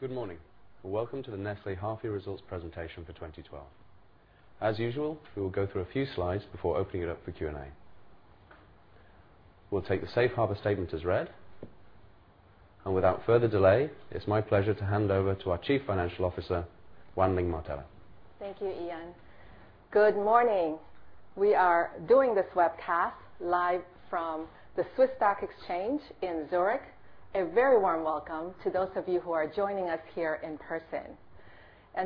Good morning, welcome to the Nestlé half year results presentation for 2012. As usual, we will go through a few slides before opening it up for Q&A. We'll take the safe harbor statement as read. Without further delay, it's my pleasure to hand over to our Chief Financial Officer, Wan Ling Martello. Thank you, Ian. Good morning. We are doing this webcast live from the SIX Swiss Exchange in Zurich. A very warm welcome to those of you who are joining us here in person.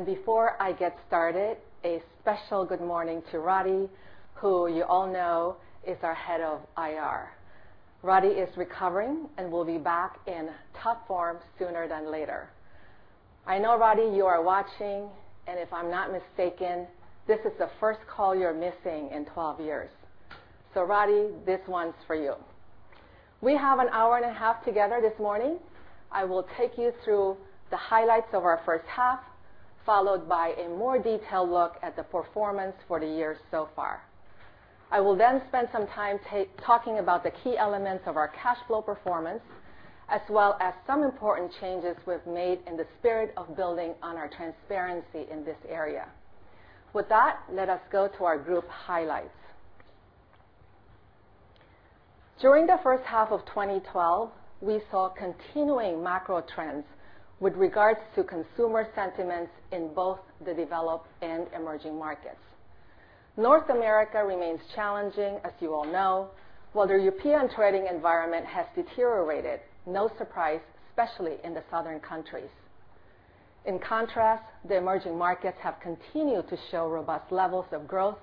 Before I get started, a special good morning to Roddy, who you all know is our head of IR. Roddy is recovering and will be back in top form sooner than later. I know, Roddy, you are watching, and if I'm not mistaken, this is the first call you're missing in 12 years. Roddy, this one's for you. We have an hour and a half together this morning. I will take you through the highlights of our first half, followed by a more detailed look at the performance for the year so far. I will then spend some time talking about the key elements of our cash flow performance, as well as some important changes we've made in the spirit of building on our transparency in this area. With that, let us go to our group highlights. During the first half of 2012, we saw continuing macro trends with regards to consumer sentiments in both the developed and emerging markets. North America remains challenging, as you all know, while the European trading environment has deteriorated, no surprise, especially in the southern countries. In contrast, the emerging markets have continued to show robust levels of growth.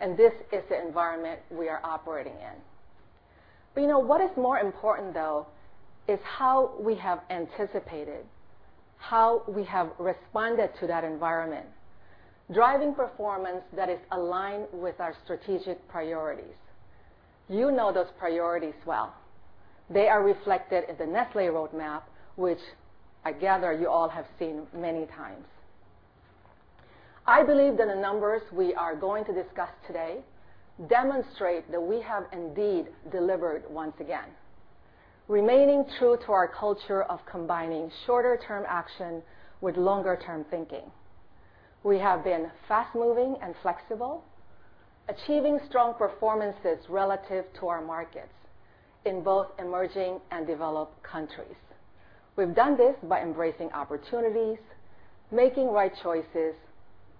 This is the environment we are operating in. What is more important, though, is how we have anticipated, how we have responded to that environment, driving performance that is aligned with our strategic priorities. You know those priorities well. They are reflected in the Nestlé Roadmap, which I gather you all have seen many times. I believe that the numbers we are going to discuss today demonstrate that we have indeed delivered once again, remaining true to our culture of combining shorter term action with longer term thinking. We have been fast moving and flexible, achieving strong performances relative to our markets in both emerging and developed countries. We've done this by embracing opportunities, making right choices,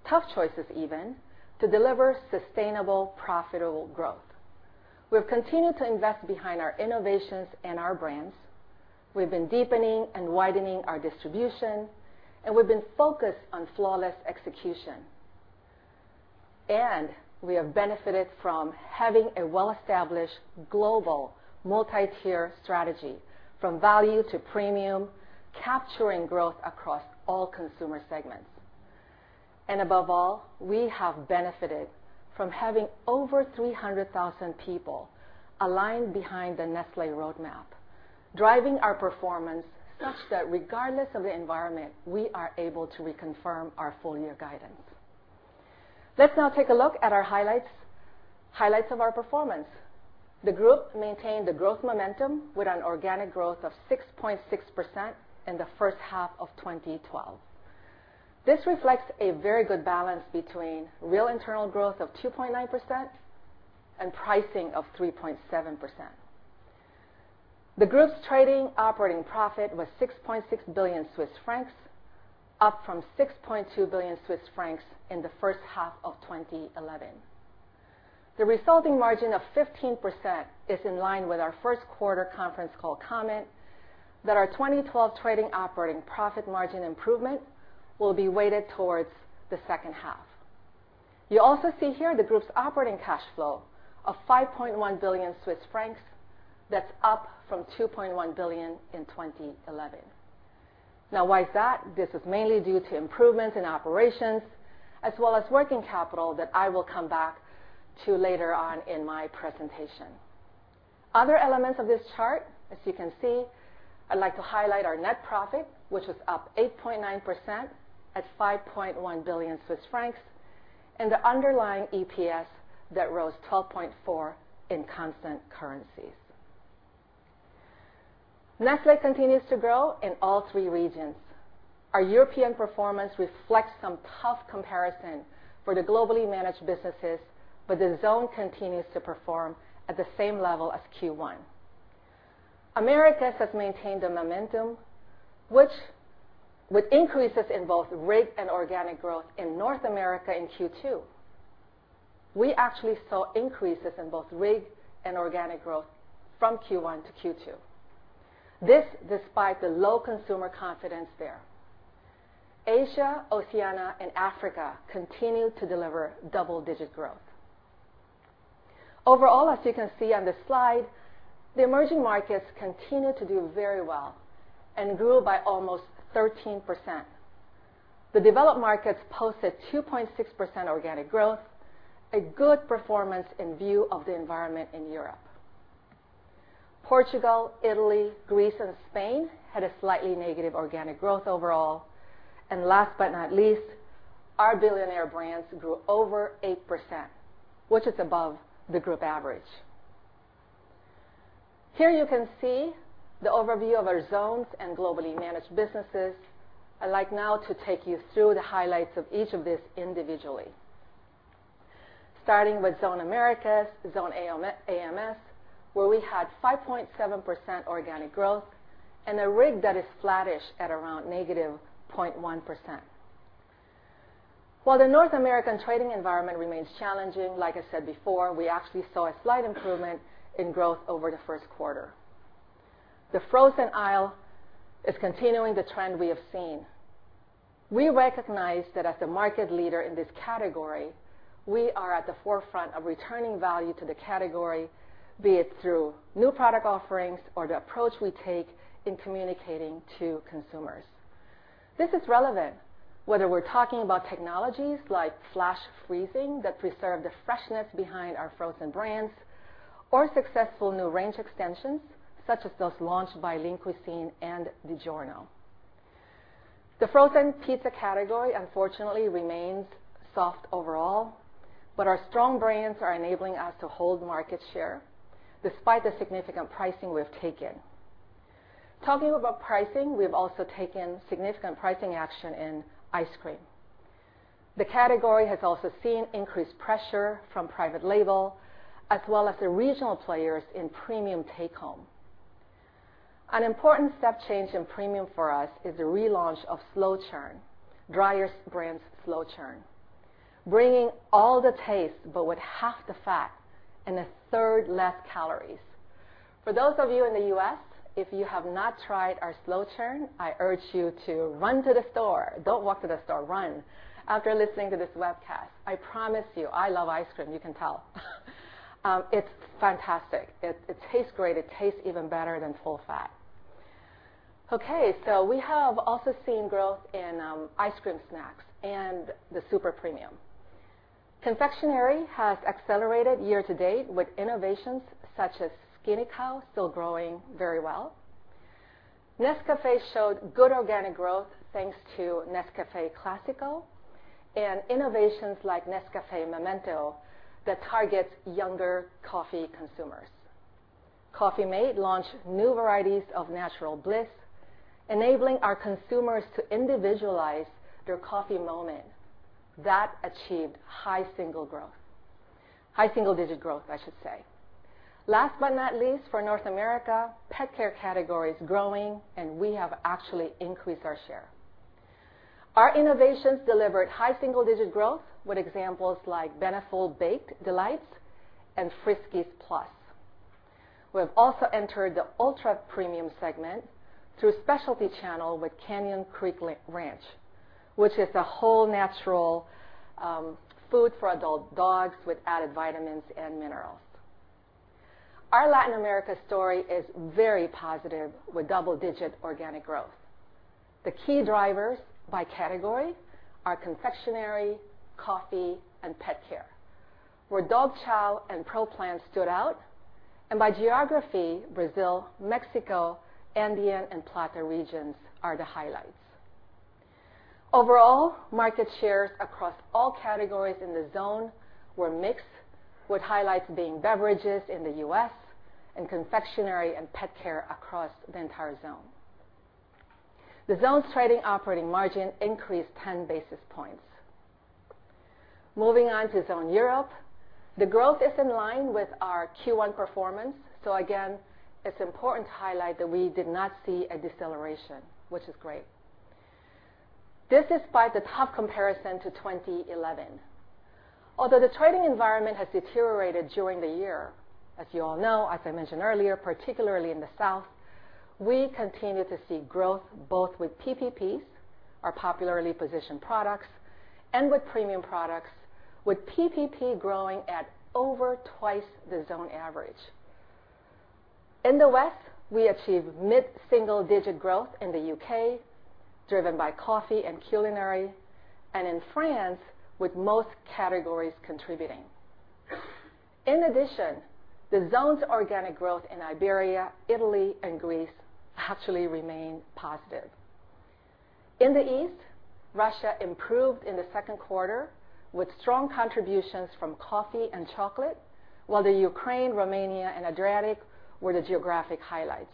tough choices even, to deliver sustainable, profitable growth. We've continued to invest behind our innovations and our brands. We've been deepening and widening our distribution. We've been focused on flawless execution. We have benefited from having a well-established global multi-tier strategy from value to premium, capturing growth across all consumer segments. Above all, we have benefited from having over 300,000 people aligned behind the Nestlé Roadmap, driving our performance such that regardless of the environment, we are able to reconfirm our full year guidance. Let's now take a look at our highlights of our performance. The group maintained the growth momentum with an organic growth of 6.6% in the first half of 2012. This reflects a very good balance between real internal growth of 2.9% and pricing of 3.7%. The group's trading operating profit was 6.6 billion Swiss francs, up from 6.2 billion Swiss francs in the first half of 2011. The resulting margin of 15% is in line with our first quarter conference call comment that our 2012 trading operating profit margin improvement will be weighted towards the second half. You also see here the group's operating cash flow of 5.1 billion Swiss francs, that's up from 2.1 billion in 2011. Why is that? This is mainly due to improvements in operations as well as working capital that I will come back to later on in my presentation. Other elements of this chart, as you can see, I'd like to highlight our net profit, which was up 8.9% at 5.1 billion Swiss francs, and the underlying EPS that rose 12.4% in constant currencies. Nestlé continues to grow in all three regions. Our European performance reflects some tough comparison for the globally managed businesses, but the zone continues to perform at the same level as Q1. Americas has maintained the momentum, with increases in both RIG and organic growth in North America in Q2. We actually saw increases in both RIG and organic growth from Q1 to Q2. This despite the low consumer confidence there. Asia, Oceania and Africa continue to deliver double-digit growth. Overall, as you can see on this slide, the emerging markets continue to do very well and grew by almost 13%. The developed markets posted 2.6% organic growth, a good performance in view of the environment in Europe. Portugal, Italy, Greece, and Spain had a slightly negative organic growth overall. Last but not least, our billionaire brands grew over 8%, which is above the group average. Here you can see the overview of our zones and globally managed businesses. I'd like now to take you through the highlights of each of these individually. Starting with Zone Americas, Zone AMS, where we had 5.7% organic growth and a RIG that is flattish at around negative 0.1%. While the North American trading environment remains challenging, like I said before, we actually saw a slight improvement in growth over the first quarter. The frozen aisle is continuing the trend we have seen. We recognize that as the market leader in this category, we are at the forefront of returning value to the category, be it through new product offerings or the approach we take in communicating to consumers. This is relevant whether we're talking about technologies like flash freezing that preserve the freshness behind our frozen brands, or successful new range extensions such as those launched by Lean Cuisine and DiGiorno. The frozen pizza category unfortunately remains soft overall, but our strong brands are enabling us to hold market share despite the significant pricing we have taken. Talking about pricing, we have also taken significant pricing action in ice cream. The category has also seen increased pressure from private label, as well as the regional players in premium take-home. An important step change in premium for us is the relaunch of Slow Churned, Dreyer's brand Slow Churned, bringing all the taste but with half the fat and a third less calories. For those of you in the U.S., if you have not tried our Slow Churned, I urge you to run to the store. Don't walk to the store, run, after listening to this webcast. I promise you, I love ice cream. You can tell. It's fantastic. It tastes great. It tastes even better than full fat. We have also seen growth in ice cream snacks and the super premium. Confectionery has accelerated year-to-date with innovations such as Skinny Cow still growing very well. Nescafé showed good organic growth thanks to Nescafé Clásico and innovations like Nescafé Memento that targets younger coffee consumers. Coffee-mate launched new varieties of Natural Bliss, enabling our consumers to individualize their coffee moment. That achieved high single-digit growth. Last but not least, for North America, pet care category is growing, and we have actually increased our share. Our innovations delivered high single-digit growth with examples like Beneful Baked Delights and Friskies Plus. We have also entered the ultra-premium segment through a specialty channel with Canyon Creek Ranch, which is a whole natural food for adult dogs with added vitamins and minerals. Our Latin America story is very positive with double-digit organic growth. The key drivers by category are confectionery, coffee, and pet care, where Dog Chow and Pro Plan stood out, and by geography, Brazil, Mexico, Andean, and Plata regions are the highlights. Overall, market shares across all categories in the zone were mixed, with highlights being beverages in the U.S. and confectionery and pet care across the entire zone. The zone's trading operating margin increased 10 basis points. Moving on to Zone Europe, the growth is in line with our Q1 performance. Again, it's important to highlight that we did not see a deceleration, which is great. This despite the tough comparison to 2011. The trading environment has deteriorated during the year, as you all know, as I mentioned earlier, particularly in the South, we continue to see growth both with PPPs, our popularly positioned products, and with premium products, with PPP growing at over twice the zone average. In the West, we achieved mid-single digit growth in the U.K., driven by coffee and culinary, and in France, with most categories contributing. In addition, the zone's organic growth in Iberia, Italy, and Greece actually remained positive. In the East, Russia improved in the second quarter with strong contributions from coffee and chocolate, while the Ukraine, Romania, and Adriatic were the geographic highlights.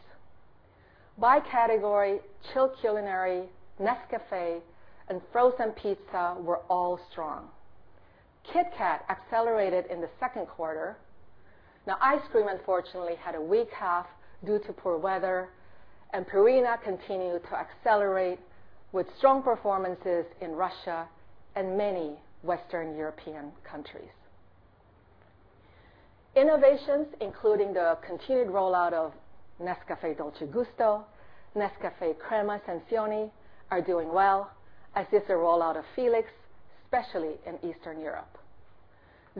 By category, chilled culinary, Nescafé, and frozen pizza were all strong. KitKat accelerated in the second quarter. Ice cream, unfortunately, had a weak half due to poor weather, and Purina continued to accelerate with strong performances in Russia and many Western European countries. Innovations, including the continued rollout of Nescafé Dolce Gusto, Nescafé Sensazione Creme, are doing well, as is the rollout of Felix, especially in Eastern Europe.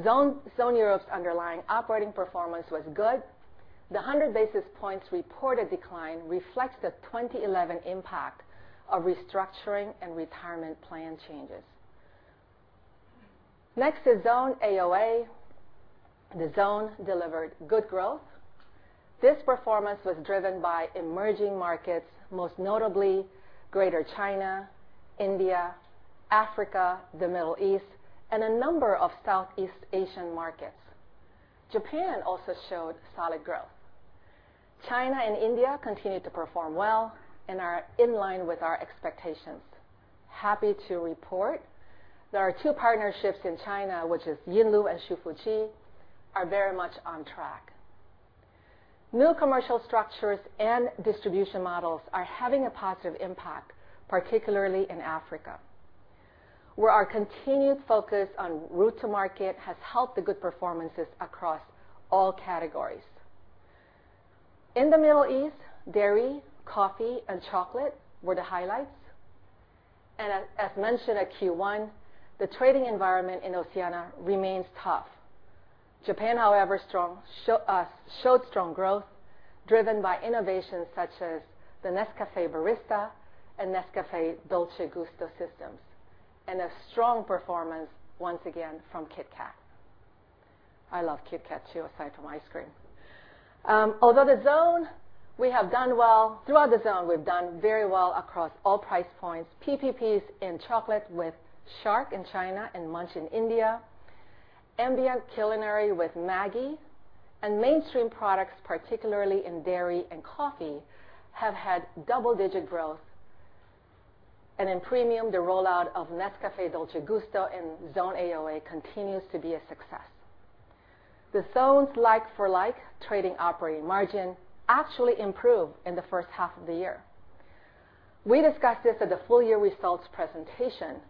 Zone Europe's underlying operating performance was good. The 100 basis points reported decline reflects the 2011 impact of restructuring and retirement plan changes. Next is Zone AOA. The zone delivered good growth. This performance was driven by emerging markets, most notably Greater China, India, Africa, the Middle East, and a number of Southeast Asian markets. Japan also showed solid growth. China and India continue to perform well and are in line with our expectations. Happy to report that our 2 partnerships in China, which is Yinlu and Hsu Fu Chi, are very much on track. New commercial structures and distribution models are having a positive impact, particularly in Africa, where our continued focus on route to market has helped the good performances across all categories. In the Middle East, dairy, coffee, and chocolate were the highlights. As mentioned at Q1, the trading environment in Oceania remains tough. Japan, however, showed strong growth driven by innovations such as the Nescafé Barista and Nescafé Dolce Gusto systems, and a strong performance once again from KitKat. I love KitKat too, aside from ice cream. Throughout the zone, we've done very well across all price points. PPPs in chocolate with Shark in China and Munch in India, ambient culinary with Maggi, and mainstream products, particularly in dairy and coffee, have had double-digit growth. In premium, the rollout of Nescafé Dolce Gusto in Zone AOA continues to be a success. The zone's like-for-like trading operating margin actually improved in the first half of the year. We discussed this at the full-year results presentation.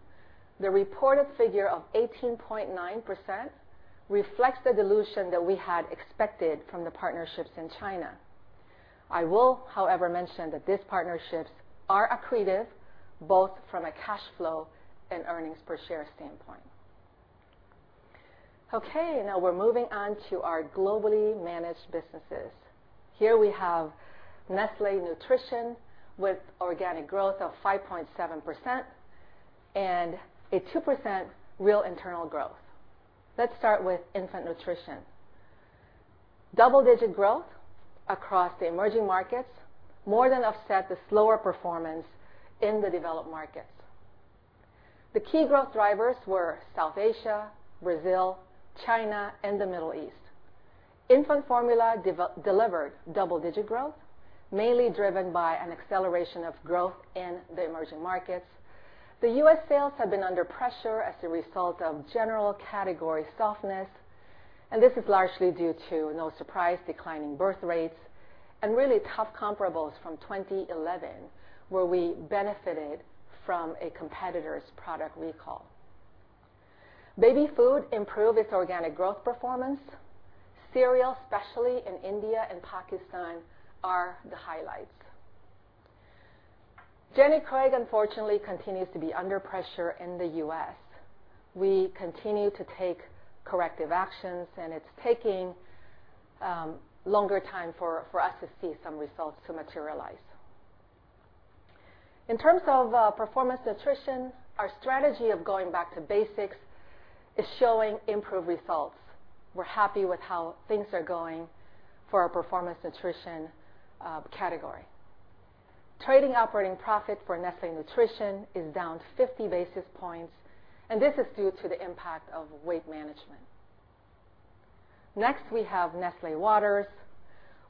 The reported figure of 18.9% reflects the dilution that we had expected from the partnerships in China. I will, however, mention that these partnerships are accretive, both from a cash flow and EPS standpoint. Okay. Now we're moving on to our globally managed businesses. Here we have Nestlé Nutrition with organic growth of 5.7% and a 2% real internal growth. Let's start with infant nutrition. Double-digit growth across the emerging markets more than offset the slower performance in the developed markets. The key growth drivers were South Asia, Brazil, China, and the Middle East. Infant formula delivered double-digit growth, mainly driven by an acceleration of growth in the emerging markets. The U.S. sales have been under pressure as a result of general category softness, and this is largely due to, no surprise, declining birth rates and really tough comparables from 2011, where we benefited from a competitor's product recall. Baby food improved its organic growth performance. Cereal, especially in India and Pakistan, are the highlights. Jenny Craig, unfortunately, continues to be under pressure in the U.S. We continue to take corrective actions, and it's taking longer time for us to see some results to materialize. In terms of performance nutrition, our strategy of going back to basics is showing improved results. We're happy with how things are going for our performance nutrition category. Trading operating profit for Nestlé Nutrition is down 50 basis points, and this is due to the impact of weight management. Next, we have Nestlé Waters.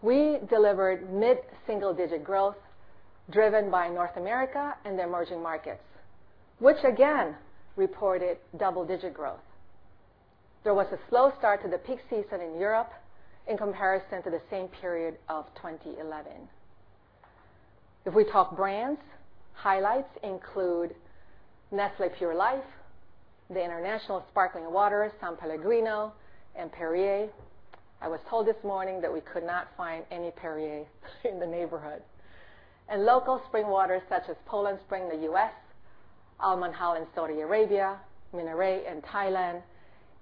We delivered mid-single-digit growth driven by North America and the emerging markets, which again reported double-digit growth. There was a slow start to the peak season in Europe in comparison to the same period of 2011. If we talk brands, highlights include Nestlé Pure Life, the international sparkling water, S.Pellegrino, and Perrier. I was told this morning that we could not find any Perrier in the neighborhood. Local spring water such as Poland Spring in the U.S., Al Manhal in Saudi Arabia, Minéré in Thailand,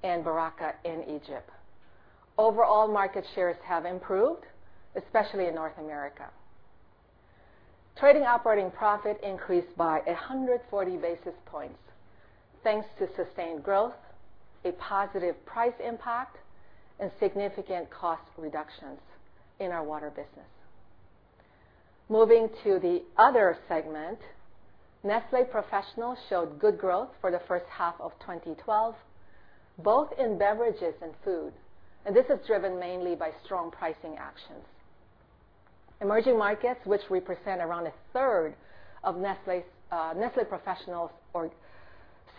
and Baraka in Egypt. Overall market shares have improved, especially in North America. Trading operating profit increased by 140 basis points thanks to sustained growth, a positive price impact, and significant cost reductions in our water business. Moving to the other segment, Nestlé Professional showed good growth for the first half of 2012, both in beverages and food, this is driven mainly by strong pricing actions. Emerging markets, which represent around a third of Nestlé Professional's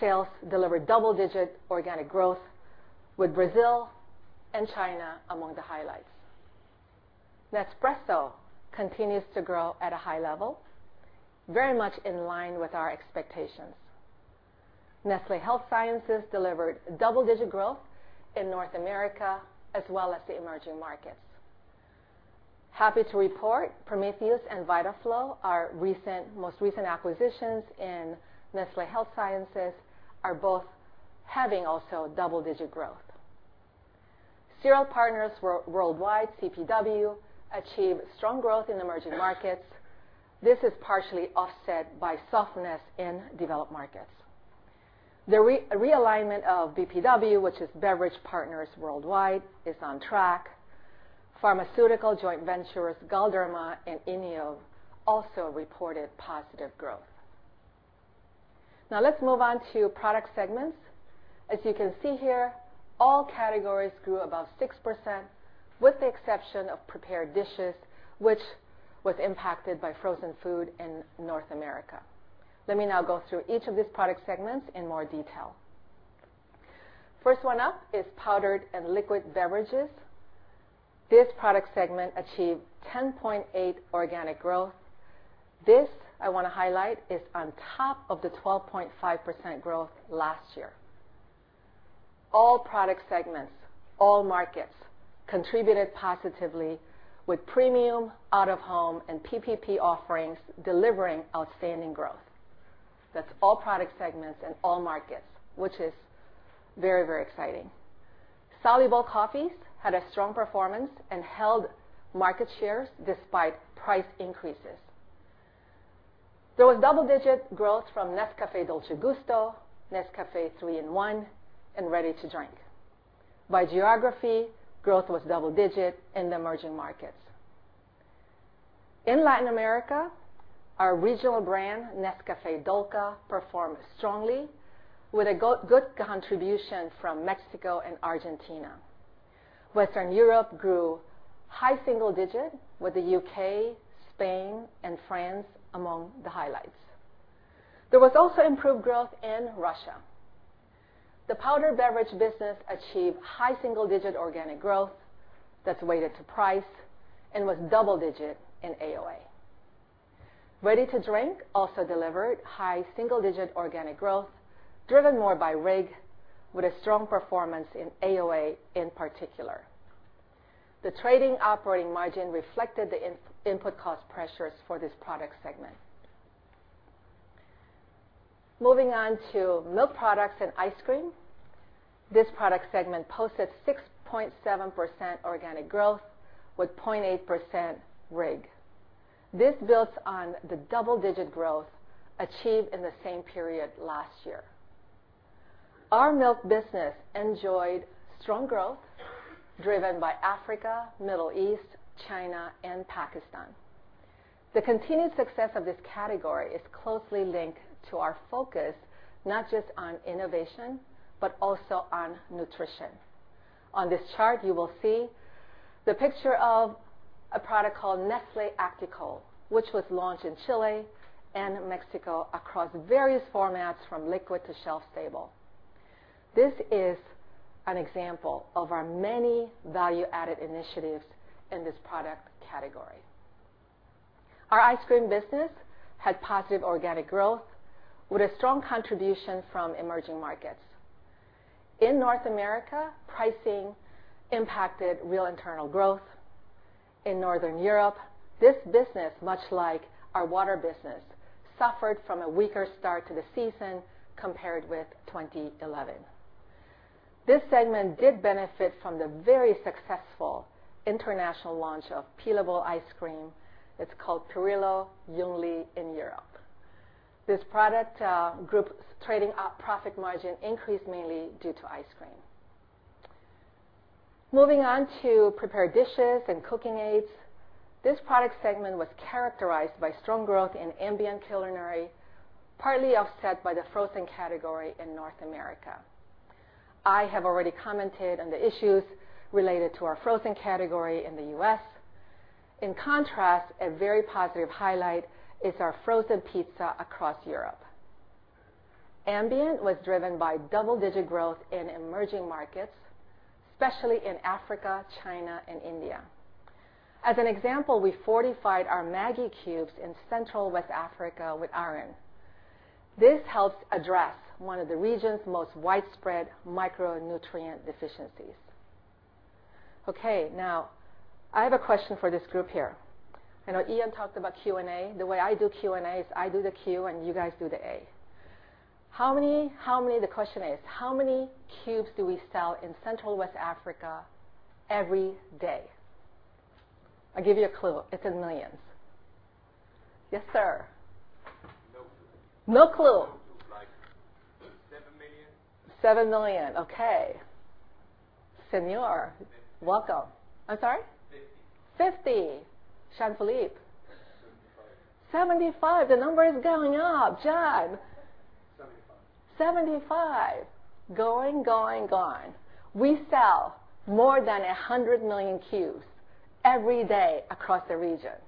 sales, delivered double-digit organic growth, with Brazil and China among the highlights. Nespresso continues to grow at a high level, very much in line with our expectations. Nestlé Health Science delivered double-digit growth in North America as well as the emerging markets. Happy to report Prometheus and Vitaflo, our most recent acquisitions in Nestlé Health Science, are both having also double-digit growth. Cereal Partners Worldwide, CPW, achieve strong growth in emerging markets. This is partially offset by softness in developed markets. The realignment of BPW, which is Beverage Partners Worldwide, is on track. Pharmaceutical joint ventures Galderma and Innéov also reported positive growth. Let's move on to product segments. As you can see here, all categories grew above 6%, with the exception of prepared dishes, which was impacted by frozen food in North America. Let me now go through each of these product segments in more detail. First one up is powdered and liquid beverages. This product segment achieved 10.8% organic growth. This, I want to highlight, is on top of the 12.5% growth last year. All product segments, all markets, contributed positively with premium, out of home, and PPP offerings delivering outstanding growth. That's all product segments in all markets, which is very, very exciting. Soluble coffees had a strong performance and held market shares despite price increases. There was double-digit growth from Nescafé Dolce Gusto, Nescafé 3 in 1, and ready to drink. By geography, growth was double digit in the emerging markets. In Latin America, our regional brand, Nescafé Dolca, performed strongly with a good contribution from Mexico and Argentina. Western Europe grew high single digit with the U.K., Spain, and France among the highlights. There was also improved growth in Russia. The powder beverage business achieved high single-digit organic growth that's weighted to price and was double digit in AoA. Ready to drink also delivered high single-digit organic growth, driven more by RIG, with a strong performance in AoA in particular. The trading operating margin reflected the input cost pressures for this product segment. Milk products and ice cream. This product segment posted 6.7% organic growth with 0.8% RIG. This builds on the double-digit growth achieved in the same period last year. Our milk business enjoyed strong growth driven by Africa, Middle East, China, and Pakistan. The continued success of this category is closely linked to our focus, not just on innovation, but also on nutrition. On this chart, you will see the picture of a product called Nestlé ActiCol, which was launched in Chile and Mexico across various formats from liquid to shelf stable. This is an example of our many value-added initiatives in this product category. Our ice cream business had positive organic growth with a strong contribution from emerging markets. In North America, pricing impacted real internal growth. In Northern Europe, this business, much like our water business, suffered from a weaker start to the season compared with 2011. This segment did benefit from the very successful international launch of peelable ice cream. It's called Pirulo Jungly in Europe. This product group's trading profit margin increased mainly due to ice cream. Moving on to prepared dishes and cooking aids. This product segment was characterized by strong growth in ambient culinary, partly offset by the frozen category in North America. I have already commented on the issues related to our frozen category in the U.S. In contrast, a very positive highlight is our frozen pizza across Europe. Ambient was driven by double-digit growth in emerging markets, especially in Africa, China, and India. As an example, we fortified our Maggi cubes in Central West Africa with iron. This helps address one of the region's most widespread micronutrient deficiencies. Okay. Now, I have a question for this group here. I know Ian talked about Q&A. The way I do Q&A is I do the Q and you guys do the A. The question is, how many cubes do we sell in Central West Africa every day? I'll give you a clue. It's in millions. Yes, sir. No clue. No clue. Like 7 million. 7 million. Okay. Senor. 50. Welcome. I'm sorry. 50. 50. Jean-Philippe. 75. 75. The number is going up. Jon. Seventy-five. 75. Going, going, gone. We sell more than 100 million cubes every day across the region.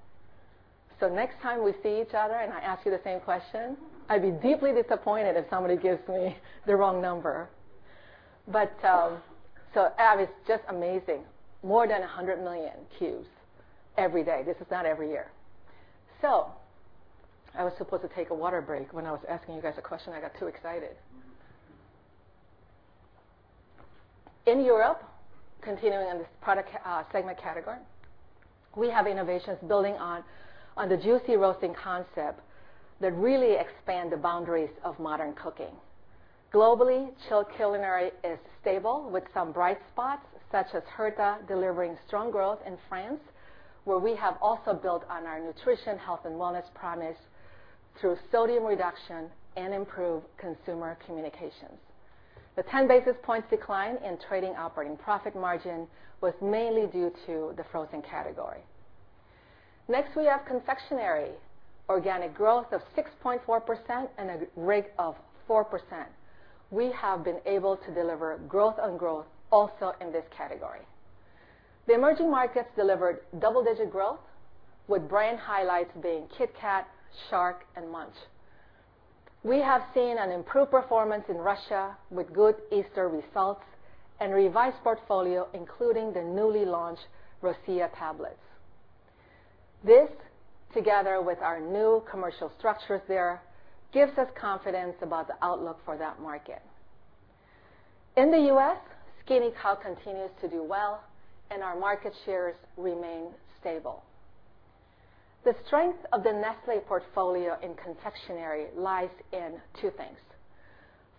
So next time we see each other and I ask you the same question, I'd be deeply disappointed if somebody gives me the wrong number. But, so it's just amazing. More than 100 million cubes every day. This is not every year. I was supposed to take a water break when I was asking you guys a question. I got too excited. In Europe, continuing on this segment category. We have innovations building on the juicy roasting concept that really expand the boundaries of modern cooking. Globally, chilled culinary is stable with some bright spots, such as Herta delivering strong growth in France, where we have also built on our nutrition, health, and wellness promise through sodium reduction and improved consumer communications. The 10 basis points decline in trading operating profit margin was mainly due to the frozen category. Next, we have confectionery, organic growth of 6.4% and a rate of 4%. We have been able to deliver growth on growth also in this category. The emerging markets delivered double-digit growth with brand highlights being KitKat, Shark, and Munch. We have seen an improved performance in Russia with good Easter results and revised portfolio, including the newly launched Rossiya tablets. This, together with our new commercial structures there, gives us confidence about the outlook for that market. In the U.S., Skinny Cow continues to do well, and our market shares remain stable. The strength of the Nestlé portfolio in confectionery lies in two things.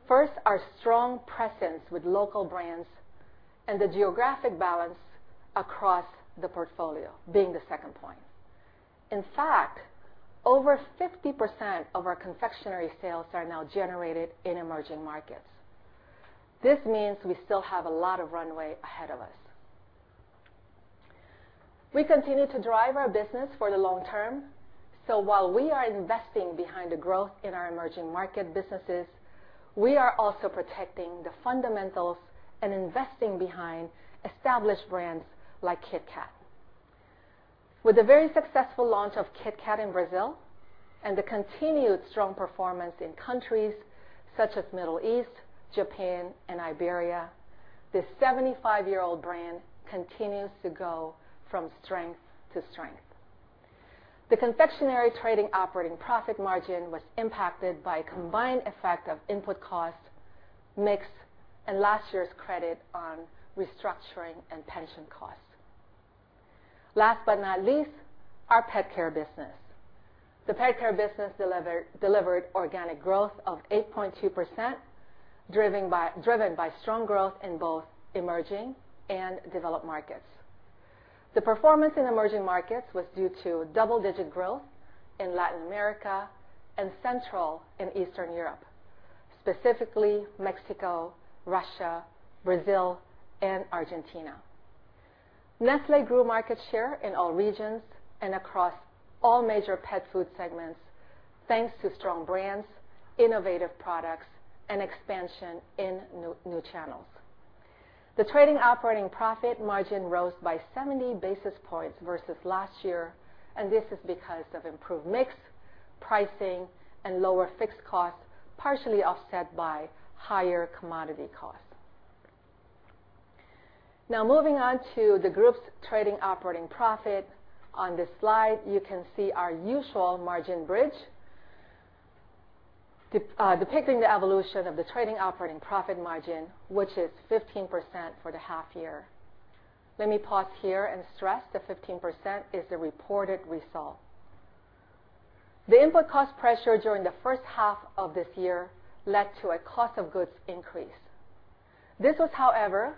First, our strong presence with local brands and the geographic balance across the portfolio being the second point. In fact, over 50% of our confectionery sales are now generated in emerging markets. This means we still have a lot of runway ahead of us. We continue to drive our business for the long term. While we are investing behind the growth in our emerging market businesses, we are also protecting the fundamentals and investing behind established brands like KitKat. With the very successful launch of KitKat in Brazil and the continued strong performance in countries such as Middle East, Japan, and Iberia, this 75-year-old brand continues to go from strength to strength. The confectionery trading operating profit margin was impacted by a combined effect of input cost, mix, and last year's credit on restructuring and pension costs. Last but not least, our pet care business. The pet care business delivered organic growth of 8.2%, driven by strong growth in both emerging and developed markets. The performance in emerging markets was due to double-digit growth in Latin America and Central and Eastern Europe, specifically Mexico, Russia, Brazil, and Argentina. Nestlé grew market share in all regions and across all major pet food segments, thanks to strong brands, innovative products, and expansion in new channels. The trading operating profit margin rose by 70 basis points versus last year, and this is because of improved mix, pricing, and lower fixed costs, partially offset by higher commodity costs. Moving on to the group's trading operating profit. On this slide, you can see our usual margin bridge depicting the evolution of the trading operating profit margin, which is 15% for the half year. Let me pause here and stress that 15% is the reported result. The input cost pressure during the first half of this year led to a cost of goods increase. This was, however,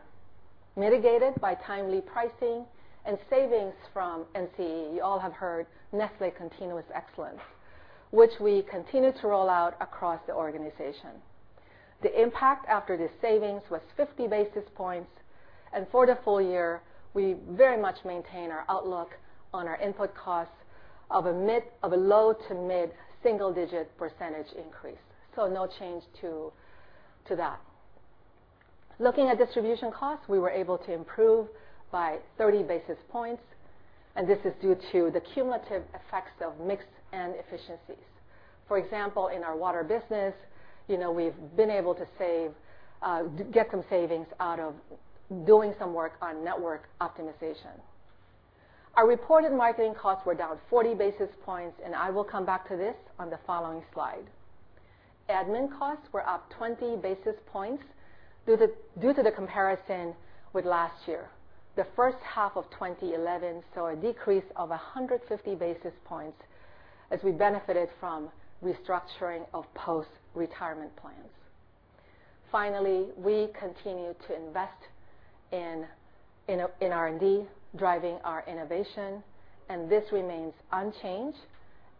mitigated by timely pricing and savings from NCE. You all have heard Nestlé Continuous Excellence, which we continue to roll out across the organization. The impact after this savings was 50 basis points, and for the full year, we very much maintain our outlook on our input costs of a low to mid single-digit percentage increase. No change to that. Looking at distribution costs, we were able to improve by 30 basis points, and this is due to the cumulative effects of mix and efficiencies. For example, in our water business, we've been able to get some savings out of doing some work on network optimization. Our reported marketing costs were down 40 basis points, and I will come back to this on the following slide. Admin costs were up 20 basis points due to the comparison with last year. The first half of 2011 saw a decrease of 150 basis points as we benefited from restructuring of post-retirement plans. Finally, we continue to invest in R&D, driving our innovation, and this remains unchanged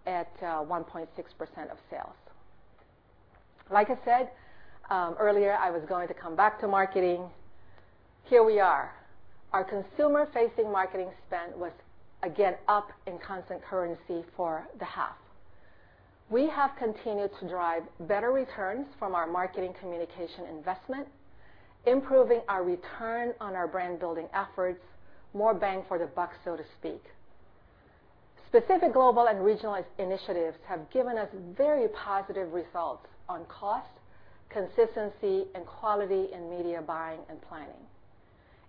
at 1.6% of sales. Like I said earlier, I was going to come back to marketing. Here we are. Our consumer-facing marketing spend was again up in constant currency for the half. We have continued to drive better returns from our marketing communication investment, improving our return on our brand-building efforts, more bang for the buck, so to speak. Specific global and regional initiatives have given us very positive results on cost, consistency, and quality in media buying and planning.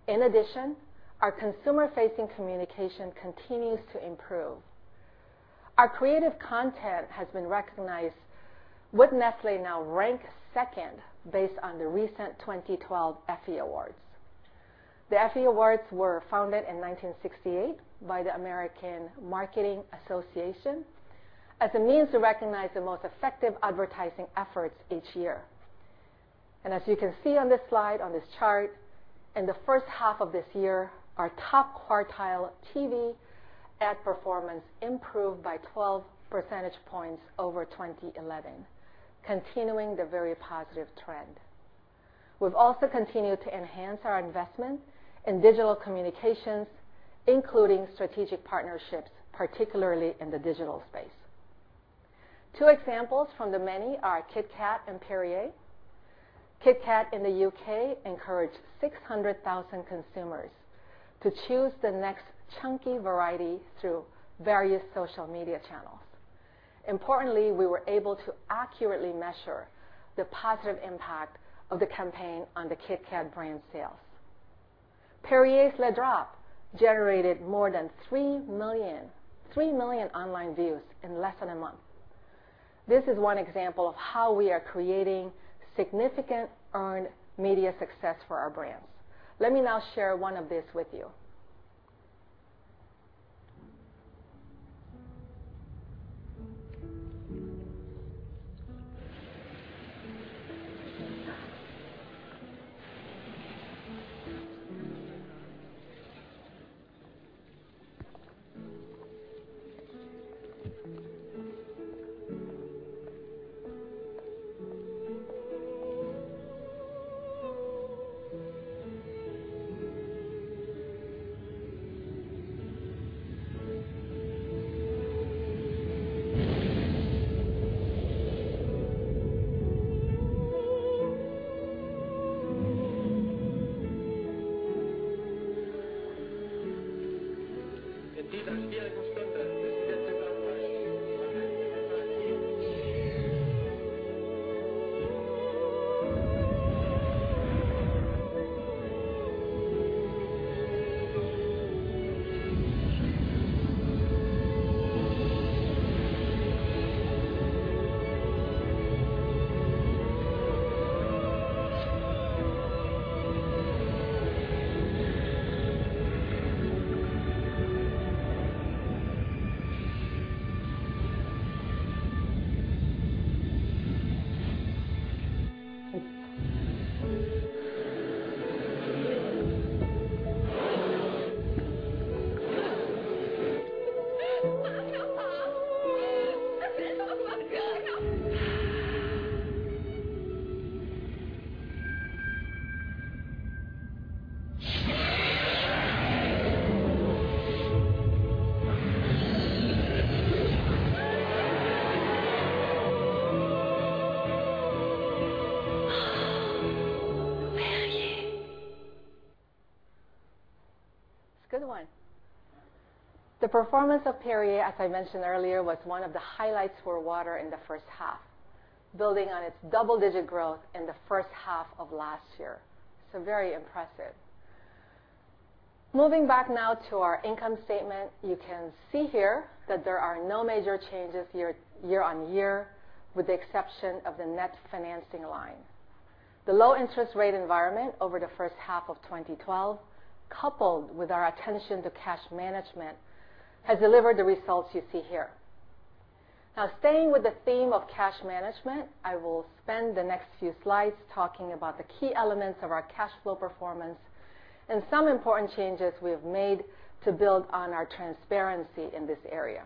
In addition, our consumer-facing communication continues to improve. Our creative content has been recognized with Nestlé now ranked second based on the recent 2012 Effie Awards. The Effie Awards were founded in 1968 by the American Marketing Association as a means to recognize the most effective advertising efforts each year. As you can see on this slide, on this chart, in the first half of this year, our top quartile TV ad performance improved by 12 percentage points over 2011, continuing the very positive trend. We've also continued to enhance our investment in digital communications, including strategic partnerships, particularly in the digital space. Two examples from the many are KitKat and Perrier. KitKat in the U.K. encouraged 600,000 consumers to choose the next chunky variety through various social media channels. Importantly, we were able to accurately measure the positive impact of the campaign on the KitKat brand sales. Perrier's Le Drop generated more than 3 million online views in less than a month. This is one example of how we are creating significant earned media success for our brands. Let me now share one of this with you. It's a good one. The performance of Perrier, as I mentioned earlier, was one of the highlights for water in the first half, building on its double-digit growth in the first half of last year. Very impressive. Moving back now to our income statement, you can see here that there are no major changes year-on-year, with the exception of the net financing line. The low interest rate environment over the first half of 2012, coupled with our attention to cash management, has delivered the results you see here. Now staying with the theme of cash management, I will spend the next few slides talking about the key elements of our cash flow performance and some important changes we have made to build on our transparency in this area.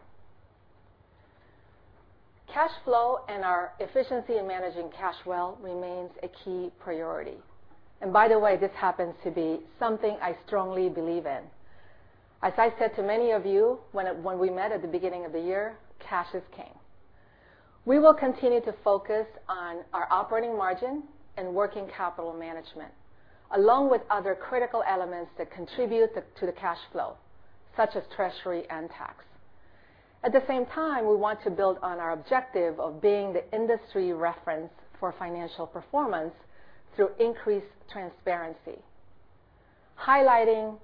Cash flow and our efficiency in managing cash well remains a key priority. By the way, this happens to be something I strongly believe in. As I said to many of you when we met at the beginning of the year, cash is king. We will continue to focus on our operating margin and working capital management, along with other critical elements that contribute to the cash flow, such as treasury and tax. At the same time, we want to build on our objective of being the industry reference for financial performance through increased transparency, highlighting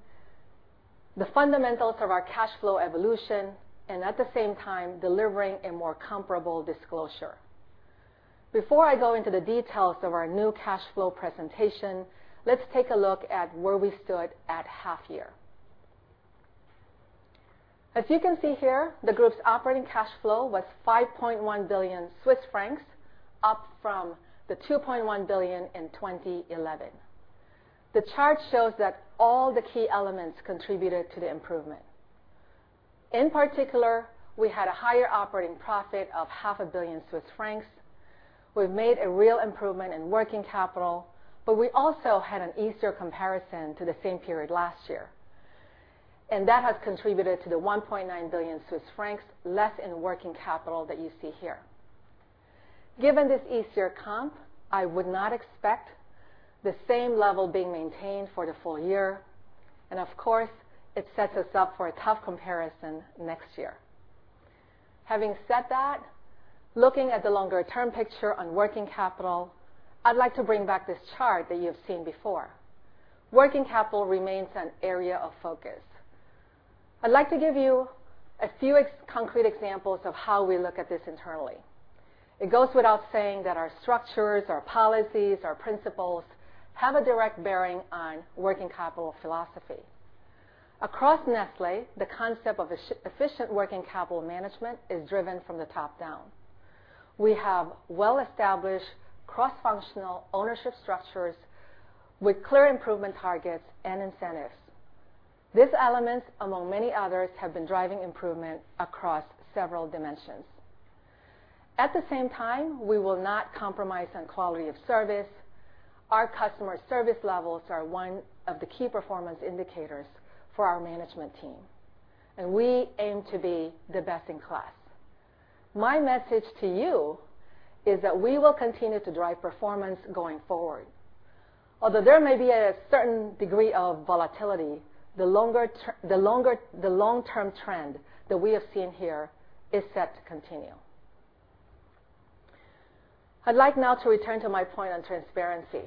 the fundamentals of our cash flow evolution, and at the same time, delivering a more comparable disclosure. Before I go into the details of our new cash flow presentation, let's take a look at where we stood at half year. As you can see here, the group's operating cash flow was 5.1 billion Swiss francs, up from the 2.1 billion in 2011. The chart shows that all the key elements contributed to the improvement. In particular, we had a higher operating profit of half a billion CHF. We've made a real improvement in working capital, but we also had an easier comparison to the same period last year, and that has contributed to the 1.9 billion Swiss francs less in working capital that you see here. Given this easier comp, I would not expect the same level being maintained for the full year, and of course, it sets us up for a tough comparison next year. Having said that. Looking at the longer-term picture on working capital, I'd like to bring back this chart that you've seen before. Working capital remains an area of focus. I'd like to give you a few concrete examples of how we look at this internally. It goes without saying that our structures, our policies, our principles, have a direct bearing on working capital philosophy. Across Nestlé, the concept of efficient working capital management is driven from the top down. We have well-established cross-functional ownership structures with clear improvement targets and incentives. These elements, among many others, have been driving improvement across several dimensions. At the same time, we will not compromise on quality of service. Our customer service levels are one of the key performance indicators for our management team, and we aim to be the best in class. My message to you is that we will continue to drive performance going forward. Although there may be a certain degree of volatility, the long-term trend that we have seen here is set to continue. I'd like now to return to my point on transparency.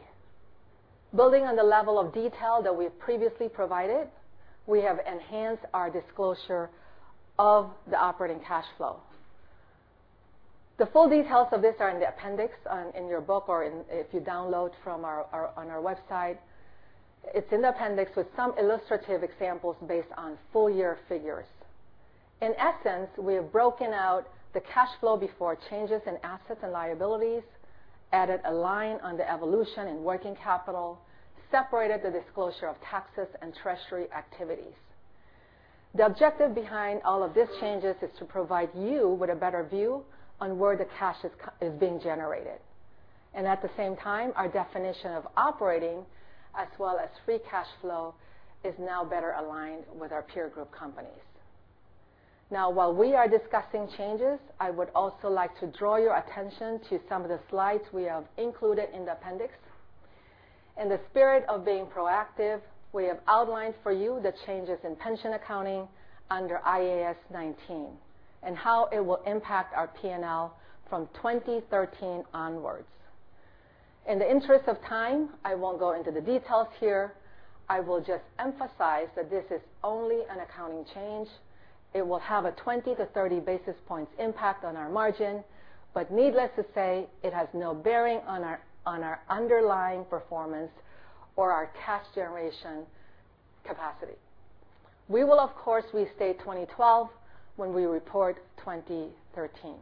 Building on the level of detail that we've previously provided, we have enhanced our disclosure of the operating cash flow. The full details of this are in the appendix, in your book or if you download from our website. It's in the appendix with some illustrative examples based on full-year figures. In essence, we have broken out the cash flow before changes in assets and liabilities, added a line on the evolution and working capital, separated the disclosure of taxes and treasury activities. The objective behind all of these changes is to provide you with a better view on where the cash is being generated. At the same time, our definition of operating, as well as free cash flow, is now better aligned with our peer group companies. While we are discussing changes, I would also like to draw your attention to some of the slides we have included in the appendix. In the spirit of being proactive, we have outlined for you the changes in pension accounting under IAS 19, and how it will impact our P&L from 2013 onwards. In the interest of time, I won't go into the details here. I will just emphasize that this is only an accounting change. It will have a 20 to 30 basis points impact on our margin, but needless to say, it has no bearing on our underlying performance or our cash generation capacity. We will, of course, restate 2012 when we report 2013.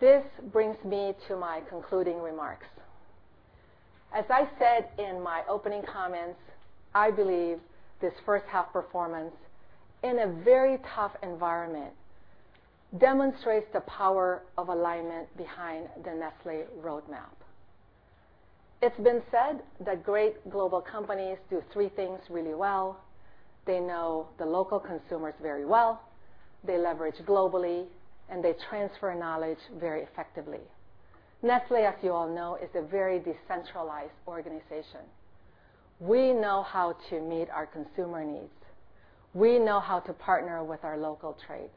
This brings me to my concluding remarks. As I said in my opening comments, I believe this first half performance, in a very tough environment, demonstrates the power of alignment behind the Nestlé Roadmap. It's been said that great global companies do three things really well. They know the local consumers very well, they leverage globally, and they transfer knowledge very effectively. Nestlé, as you all know, is a very decentralized organization. We know how to meet our consumer needs. We know how to partner with our local trade.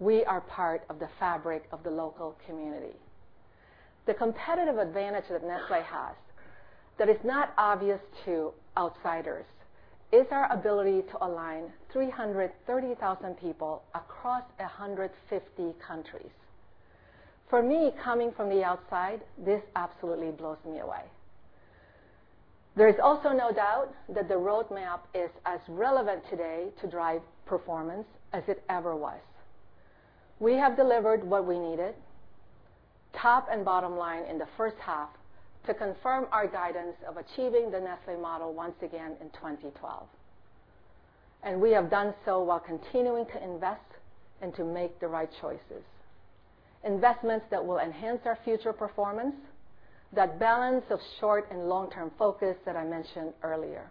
We are part of the fabric of the local community. The competitive advantage that Nestlé has that is not obvious to outsiders is our ability to align 330,000 people across 150 countries. For me, coming from the outside, this absolutely blows me away. There is also no doubt that the roadmap is as relevant today to drive performance as it ever was. We have delivered what we needed, top and bottom line in the first half, to confirm our guidance of achieving the Nestlé Model once again in 2012. We have done so while continuing to invest and to make the right choices. Investments that will enhance our future performance, that balance of short and long-term focus that I mentioned earlier.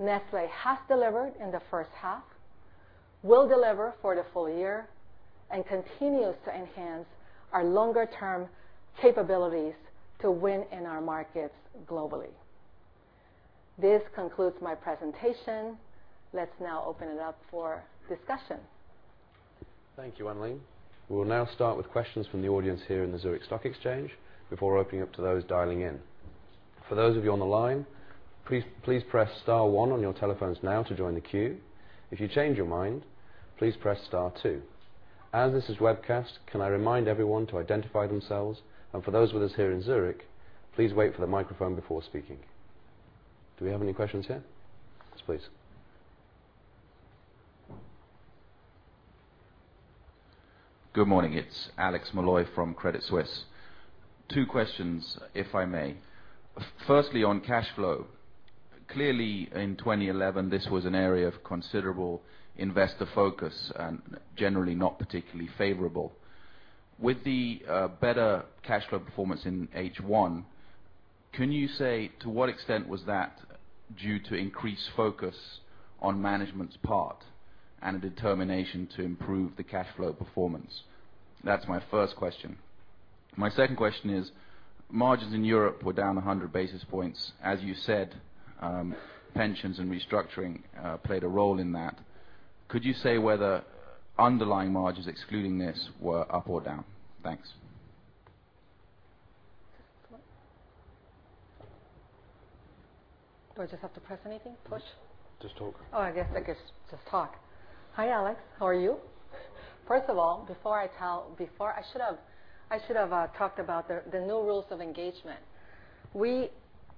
Nestlé has delivered in the first half, will deliver for the full year, and continues to enhance our longer-term capabilities to win in our markets globally. This concludes my presentation. Let's now open it up for discussion. Thank you, Wan Ling. We will now start with questions from the audience here in the Zurich Stock Exchange before opening up to those dialing in. For those of you on the line, please press star one on your telephones now to join the queue. If you change your mind, please press star two. As this is webcast, can I remind everyone to identify themselves, and for those with us here in Zurich, please wait for the microphone before speaking. Do we have any questions here? Yes, please. Good morning. It's Alex Molloy from Credit Suisse. Two questions, if I may. Firstly, on cash flow. Clearly, in 2011, this was an area of considerable investor focus and generally not particularly favorable. With the better cash flow performance in H1, can you say to what extent was that due to increased focus on management's part and a determination to improve the cash flow performance? That's my first question. My second question is, margins in Europe were down 100 basis points. As you said, pensions and restructuring played a role in that. Could you say whether underlying margins, excluding this, were up or down? Thanks. Just come up. Do I just have to press anything? Push? Just talk. I guess I could just talk. Hi, Alex. How are you? First of all, before I should have talked about the new rules of engagement. We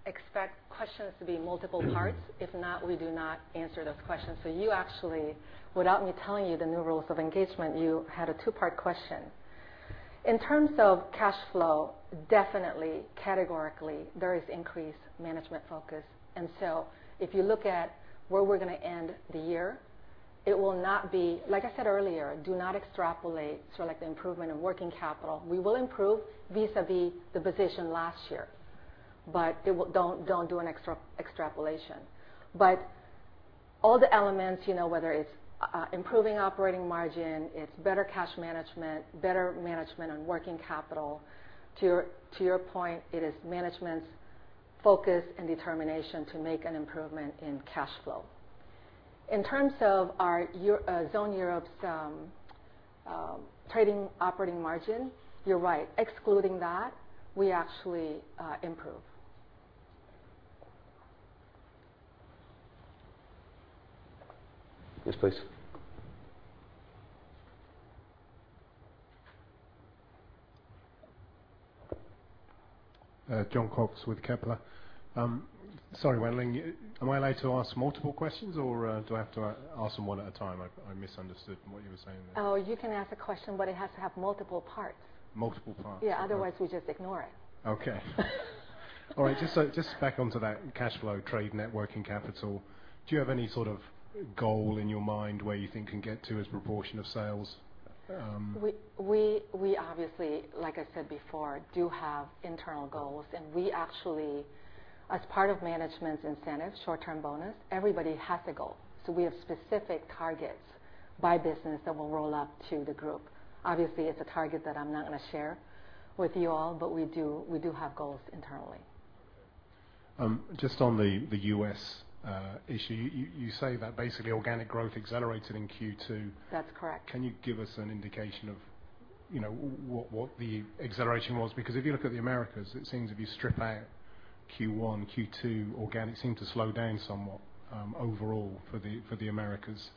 expect questions to be multiple parts. If not, we do not answer those questions. You actually, without me telling you the new rules of engagement, you had a two-part question. In terms of cash flow, definitely, categorically, there is increased management focus. If you look at where we're going to end the year, it will not be Like I said earlier, do not extrapolate. Like the improvement in working capital, we will improve vis-à-vis the position last year. Don't do an extrapolation. All the elements, whether it's improving operating margin, it's better cash management, better management on working capital. To your point, it is management's focus and determination to make an improvement in cash flow. In terms of our Zone Europe's trading operating margin, you're right. Excluding that, we actually improve. Yes, please. Jon Cox with Kepler. Sorry, Wan Ling, am I allowed to ask multiple questions, or do I have to ask them one at a time? I misunderstood what you were saying there. Oh, you can ask a question, but it has to have multiple parts. Multiple parts. Yeah. Otherwise, we just ignore it. Okay. All right. Back onto that cash flow trade net working capital. Do you have any sort of goal in your mind where you think you can get to as proportion of sales? We obviously, like I said before, do have internal goals. We actually, as part of management's incentives, short-term bonus, everybody has a goal. We have specific targets by business that will roll up to the group. Obviously, it's a target that I'm not going to share with you all, but we do have goals internally. On the U.S. issue, you say that basically organic growth accelerated in Q2. That's correct. Can you give us an indication of what the acceleration was? If you look at Zone Americas, it seems if you strip out Q1, Q2, organic seemed to slow down somewhat overall for Zone Americas.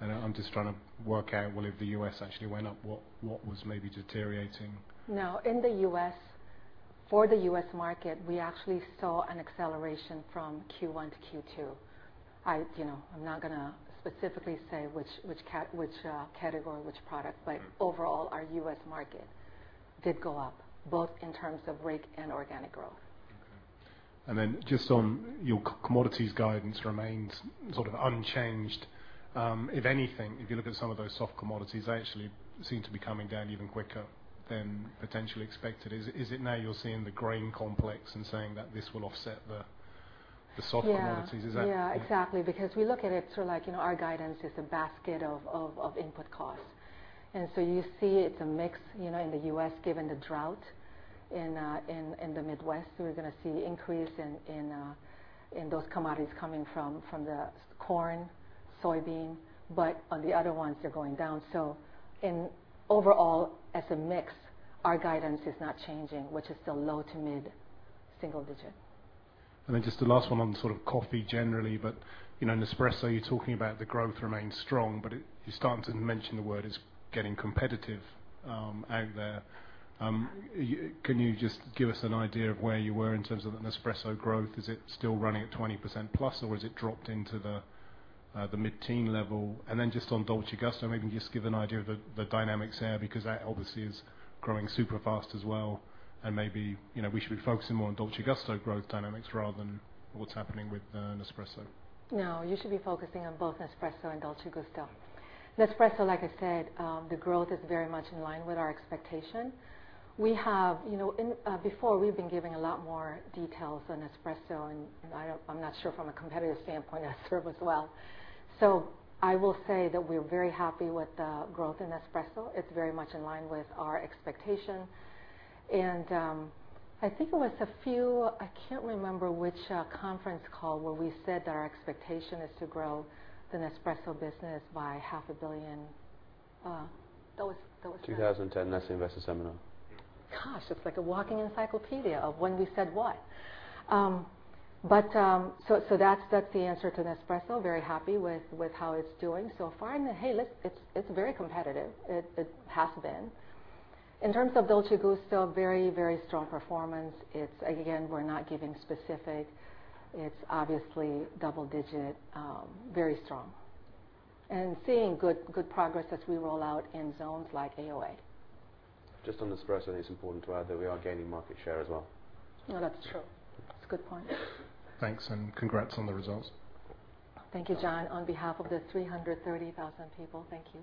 I'm just trying to work out, well, if the U.S. actually went up, what was maybe deteriorating? No. In the U.S., for the U.S. market, we actually saw an acceleration from Q1 to Q2. I'm not going to specifically say which category, which product, but overall, our U.S. market did go up, both in terms of RIG and organic growth. Okay. Just on your commodities guidance remains sort of unchanged. If anything, if you look at some of those soft commodities, they actually seem to be coming down even quicker than potentially expected. Is it now you're seeing the grain complex and saying that this will offset the soft commodities? Yeah. Is that? We look at it, our guidance is a basket of input costs. You see it's a mix in the U.S., given the drought in the Midwest. We're going to see increase in those commodities coming from the corn, soybean. On the other ones, they're going down. In overall, as a mix, our guidance is not changing, which is still low to mid-single digit. Just the last one on sort of coffee generally. Nespresso, you're talking about the growth remains strong, but you're starting to mention the word it's getting competitive out there. Can you just give us an idea of where you were in terms of Nespresso growth? Is it still running at 20% plus, or has it dropped into the mid-teen level? Just on Dolce Gusto, maybe just give an idea of the dynamics there, because that obviously is growing super fast as well. Maybe we should be focusing more on Dolce Gusto growth dynamics rather than what's happening with Nespresso. No, you should be focusing on both Nespresso and Dolce Gusto. Nespresso, like I said, the growth is very much in line with our expectation. Before, we've been giving a lot more details on Nespresso, I'm not sure from a competitive standpoint I serve as well. I will say that we're very happy with the growth in Nespresso. It's very much in line with our expectation. I think it was a few, I can't remember which conference call where we said that our expectation is to grow the Nespresso business by half a billion CHF. 2010 Nestlé Investor Seminar. Gosh, it's like a walking encyclopedia of when we said what. That's the answer to Nespresso. Very happy with how it's doing so far. Hey, it's very competitive. It has been. In terms of Dolce Gusto, very strong performance. Again, we're not giving specific. It's obviously double digit. Very strong. Seeing good progress as we roll out in zones like AOA. Just on Nespresso, it's important to add that we are gaining market share as well. No, that's true. That's a good point. Thanks, congrats on the results. Thank you, Jon. On behalf of the 330,000 people, thank you.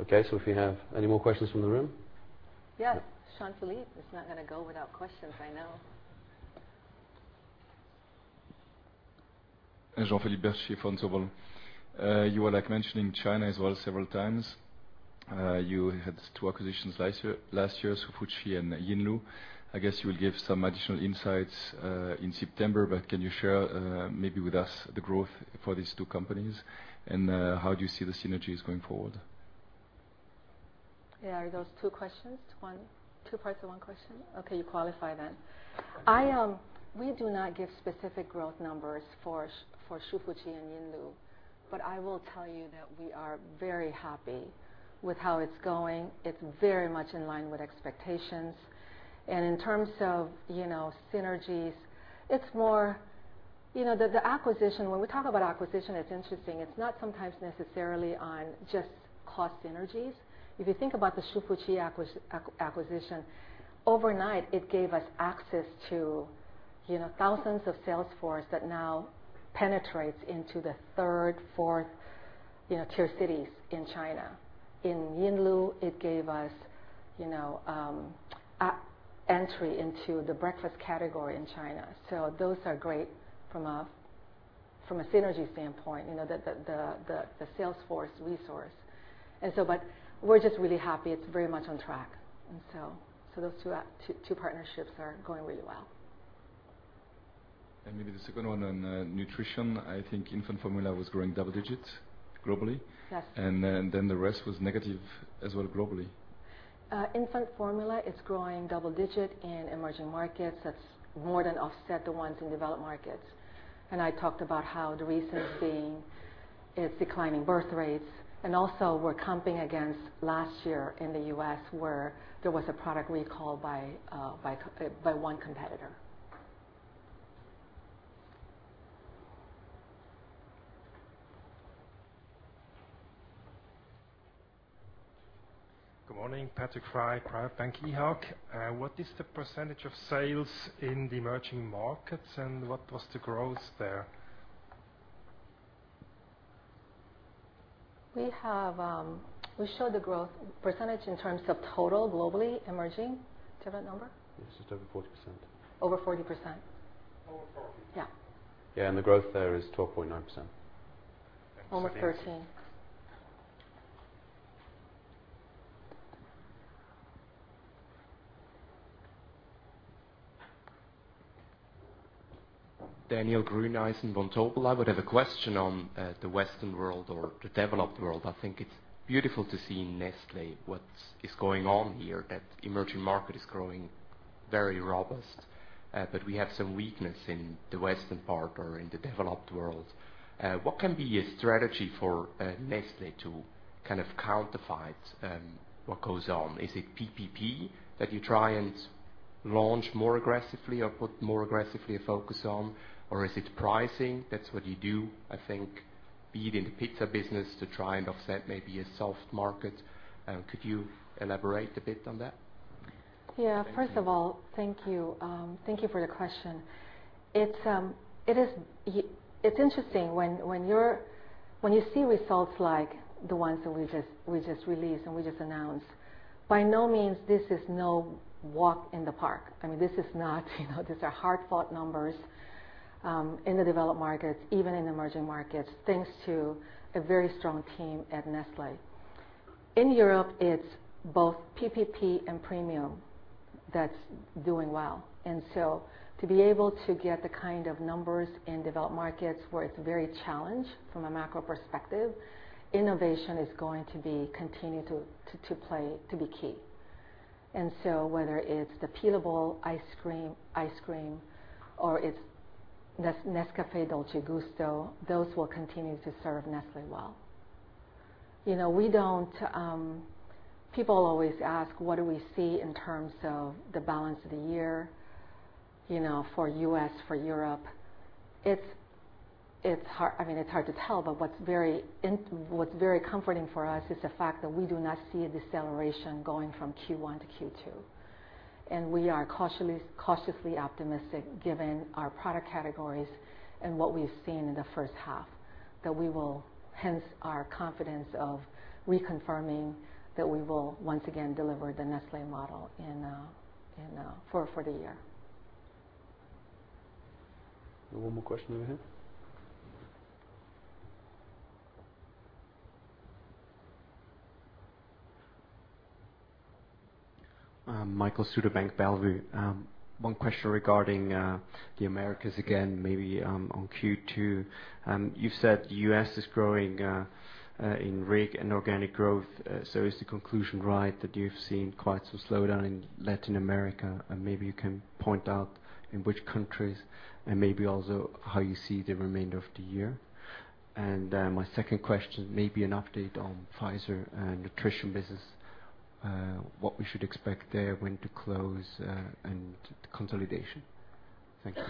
Okay. If you have any more questions from the room? Yes. Jean-Philippe. It's not going to go without questions, I know. Jean-Philippe Bertschy from Vontobel. You were mentioning China as well several times. You had 2 acquisitions last year, Hsu Fu Chi and Yinlu. I guess you will give some additional insights in September, but can you share maybe with us the growth for these 2 companies, and how do you see the synergies going forward? Yeah. Are those 2 questions? 2 parts of one question? Okay, you qualify then. We do not give specific growth numbers for Hsu Fu Chi and Yinlu, but I will tell you that we are very happy with how it's going. It's very much in line with expectations. In terms of synergies, when we talk about acquisition, it's interesting. It's not sometimes necessarily on just cost synergies. If you think about the Hsu Fu Chi acquisition, overnight, it gave us access to thousands of sales force that now penetrates into the third, fourth tier cities in China. In Yinlu, it gave us entry into the breakfast category in China. Those are great from a synergy standpoint, the sales force resource. We're just really happy. It's very much on track. Those 2 partnerships are going really well. Maybe the second one on nutrition. I think infant formula was growing double digits globally. Yes. The rest was negative as well globally. Infant formula, it's growing double-digit in emerging markets. That's more than offset the ones in developed markets. I talked about how the reason being it's declining birth rates, and also we're comping against last year in the U.S. where there was a product recall by one competitor. Good morning. Patrick Frei, Privatbank IHAG. What is the % of sales in the emerging markets, and what was the growth there? We showed the growth % in terms of total globally emerging. Do you have that number? It's just over 40%. Over 40%. Over 40%. Yeah. Yeah, the growth there is 12.9%. Over 13%. Daniel Gruneisen, Vontobel. I would have a question on the Western world or the developed world. I think it's beautiful to see Nestlé, what is going on here, that emerging market is growing very robust. We have some weakness in the Western part or in the developed world. What can be a strategy for Nestlé to kind of counteract what goes on? Is it PPP that you try and launch more aggressively or put more aggressively a focus on? Is it pricing? That's what you do, I think, be it in the pizza business to try and offset maybe a soft market. Could you elaborate a bit on that? Yeah. First of all, thank you for the question. It's interesting when you see results like the ones that we just released and we just announced. By no means this is no walk in the park. These are hard-fought numbers, in the developed markets, even in emerging markets, thanks to a very strong team at Nestlé. In Europe, it's both PPP and premium that's doing well. To be able to get the kind of numbers in developed markets where it's very challenged from a macro perspective, innovation is going to be continuing to play to be key. Whether it's the Pirulo Jungly or it's Nescafé Dolce Gusto, those will continue to serve Nestlé well. People always ask, what do we see in terms of the balance of the year, for U.S., for Europe? It's hard to tell, but what's very comforting for us is the fact that we do not see a deceleration going from Q1 to Q2. We are cautiously optimistic given our product categories and what we've seen in the first half, hence our confidence of reconfirming that we will once again deliver the Nestlé Model for the year. One more question over here. Michael Studer, Bank Bellevue. One question regarding the Americas again, maybe on Q2. You said U.S. is growing in RIG and organic growth. Is the conclusion right that you've seen quite some slowdown in Latin America? Maybe you can point out in which countries and maybe also how you see the remainder of the year. My second question may be an update on Pfizer Nutrition business. What we should expect there, when to close, and consolidation. Thank you.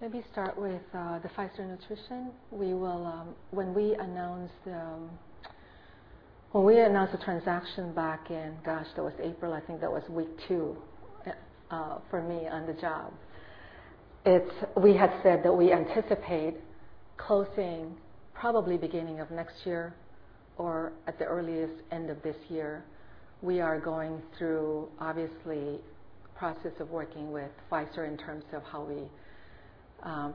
Maybe start with the Pfizer Nutrition. When we announced the transaction back in, gosh, that was April, I think that was week two for me on the job. We had said that we anticipate closing probably beginning of next year. At the earliest end of this year. We are going through, obviously, process of working with Pfizer in terms of how we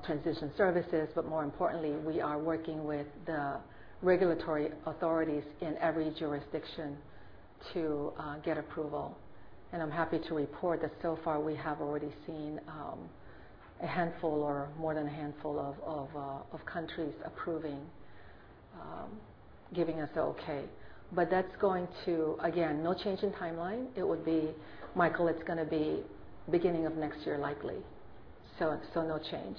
transition services. More importantly, we are working with the regulatory authorities in every jurisdiction to get approval. I'm happy to report that so far we have already seen a handful or more than a handful of countries approving, giving us the okay. That's going to, again, no change in timeline. Michael, it's going to be beginning of next year likely. No change.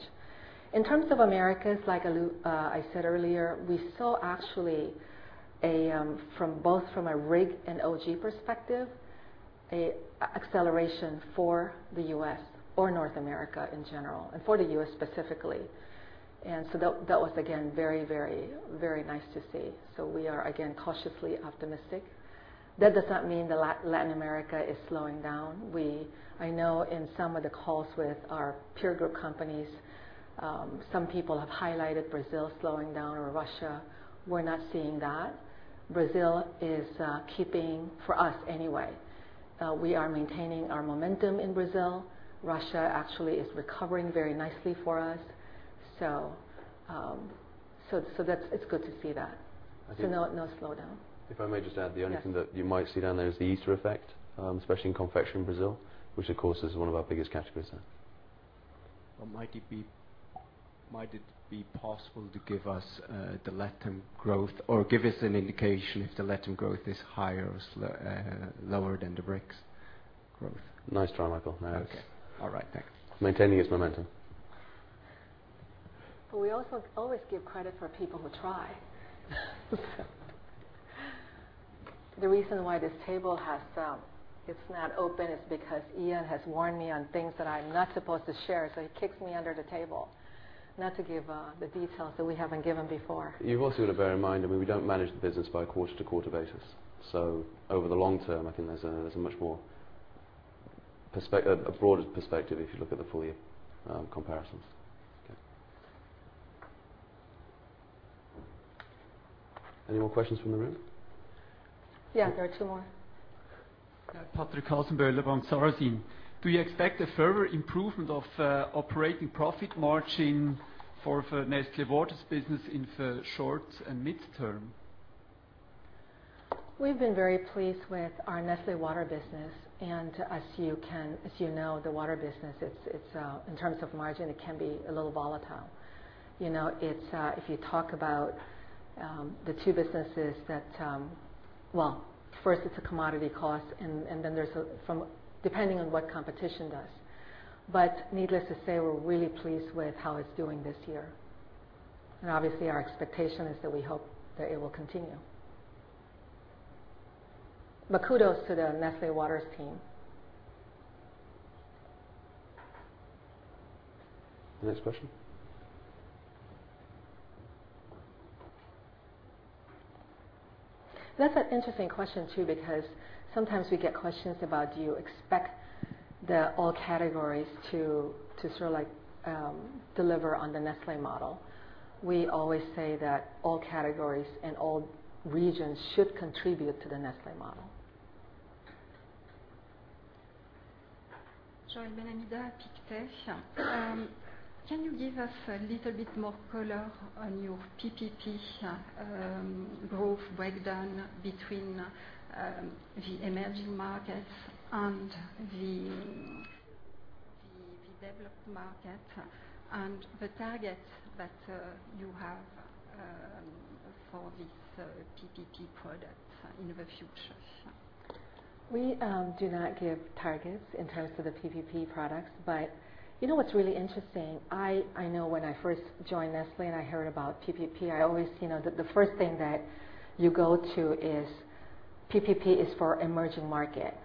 In terms of Americas, like I said earlier, we saw actually from both from a RIG and OG perspective, acceleration for the U.S. or North America in general, and for the U.S. specifically. That was again very nice to see. We are again cautiously optimistic. That does not mean that Latin America is slowing down. I know in some of the calls with our peer group companies, some people have highlighted Brazil slowing down or Russia. We're not seeing that. Brazil is keeping, for us anyway, we are maintaining our momentum in Brazil. Russia actually is recovering very nicely for us. It's good to see that. I think- no slowdown. If I may just add, the only thing that you might see down there is the Easter effect, especially in confectionery Brazil, which of course is one of our biggest categories there. Might it be possible to give us the LATAM growth, or give us an indication if the LATAM growth is higher or lower than the BRICS growth? Nice try, Michael. No. Okay. All right. Thanks. Maintaining its momentum. We always give credit for people who try. The reason why this table it's not open is because Ian has warned me on things that I'm not supposed to share, he kicks me under the table not to give the details that we haven't given before. You've also got to bear in mind, we don't manage the business by quarter-to-quarter basis. Over the long term, I think there's a much more broader perspective if you look at the full year comparisons. Okay. Any more questions from the room? Yeah, there are two more. Yeah. Patrick Hasenboehler, Bank Sarasin. Do you expect a further improvement of operating profit margin for Nestlé Waters business in the short and midterm? We've been very pleased with our Nestlé Waters business. As you know, the water business, in terms of margin, it can be a little volatile. If you talk about the two businesses Well, first it's a commodity cost, then depending on what competition does. Needless to say, we're really pleased with how it's doing this year. Obviously, our expectation is that we hope that it will continue. Kudos to the Nestlé Waters team. Next question. That's an interesting question, too, because sometimes we get questions about do you expect the all categories to sort of deliver on the Nestlé Model? We always say that all categories and all regions should contribute to the Nestlé Model. Joelle Hamida, Pictet. Can you give us a little bit more color on your PPP growth breakdown between the emerging markets and the developed markets and the targets that you have for this PPP product in the future? We do not give targets in terms of the PPP products. You know what's really interesting? I know when I first joined Nestlé and I heard about PPP, the first thing that you go to is PPP is for emerging market.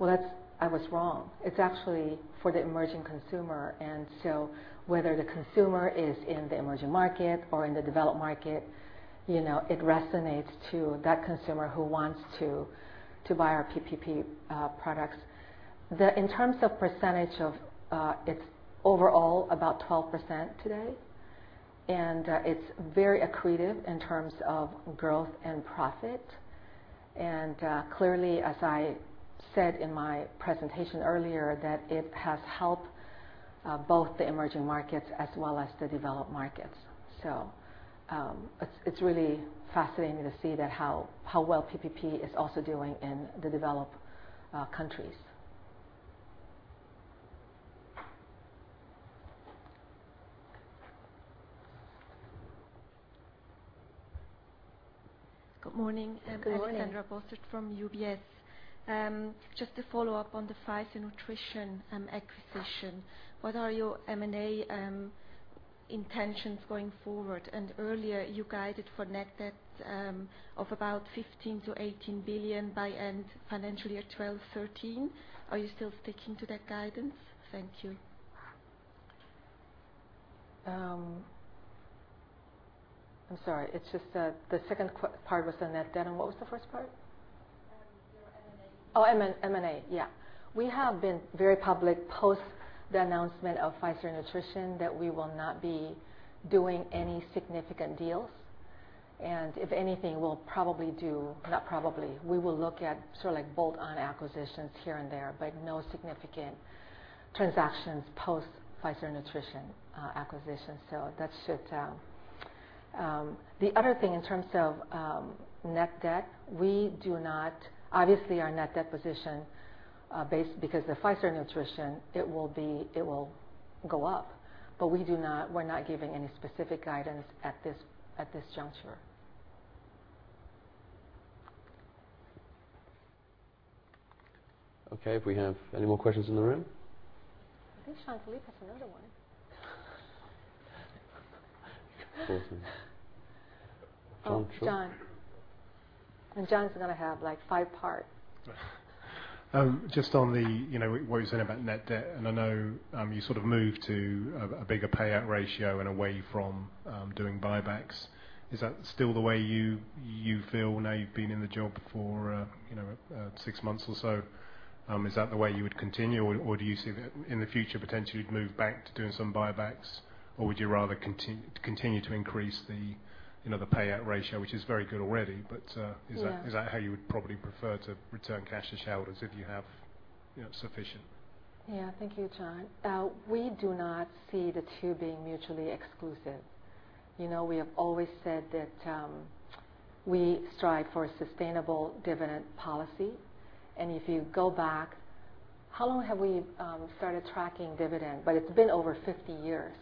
Well, I was wrong. It's actually for the emerging consumer. Whether the consumer is in the emerging market or in the developed market, it resonates to that consumer who wants to buy our PPP products. In terms of percentage, it's overall about 12% today, and it's very accretive in terms of growth and profit. Clearly, as I said in my presentation earlier, that it has helped both the emerging markets as well as the developed markets. It's really fascinating to see that how well PPP is also doing in the developed countries. Good morning. Good morning. Alexandra Bossert from UBS. Just to follow up on the Pfizer Nutrition acquisition. What are your M&A intentions going forward? Earlier you guided for net debt of about 15 billion-18 billion by end financial year 2012, 2013. Are you still sticking to that guidance? Thank you. I'm sorry. The second part was the net debt, what was the first part? Oh, M&A. Yeah. We have been very public post the announcement of Pfizer Nutrition that we will not be doing any significant deals, if anything, we'll probably do Not probably. We will look at bolt-on acquisitions here and there, but no significant transactions post Pfizer Nutrition acquisition. The other thing, in terms of net debt, obviously our net debt position, because the Pfizer Nutrition, it will go up, but we're not giving any specific guidance at this juncture. Okay. If we have any more questions in the room? I think Jean-Philippe has another one. Awesome. Jon. Oh, Jon. Jon's going to have, like, five-part. Just on the, what you were saying about net debt, I know you sort of moved to a bigger payout ratio and away from doing buybacks. Is that still the way you feel now you've been in the job for six months or so? Do you see that in the future, potentially, you'd move back to doing some buybacks? Would you rather continue to increase the payout ratio, which is very good already. Yeah. Is that how you would probably prefer to return cash to shareholders if you have sufficient? Yeah. Thank you, Jon. We do not see the two being mutually exclusive. We have always said that we strive for a sustainable dividend policy. If you go back, how long have we started tracking dividend? It's been over 50 years.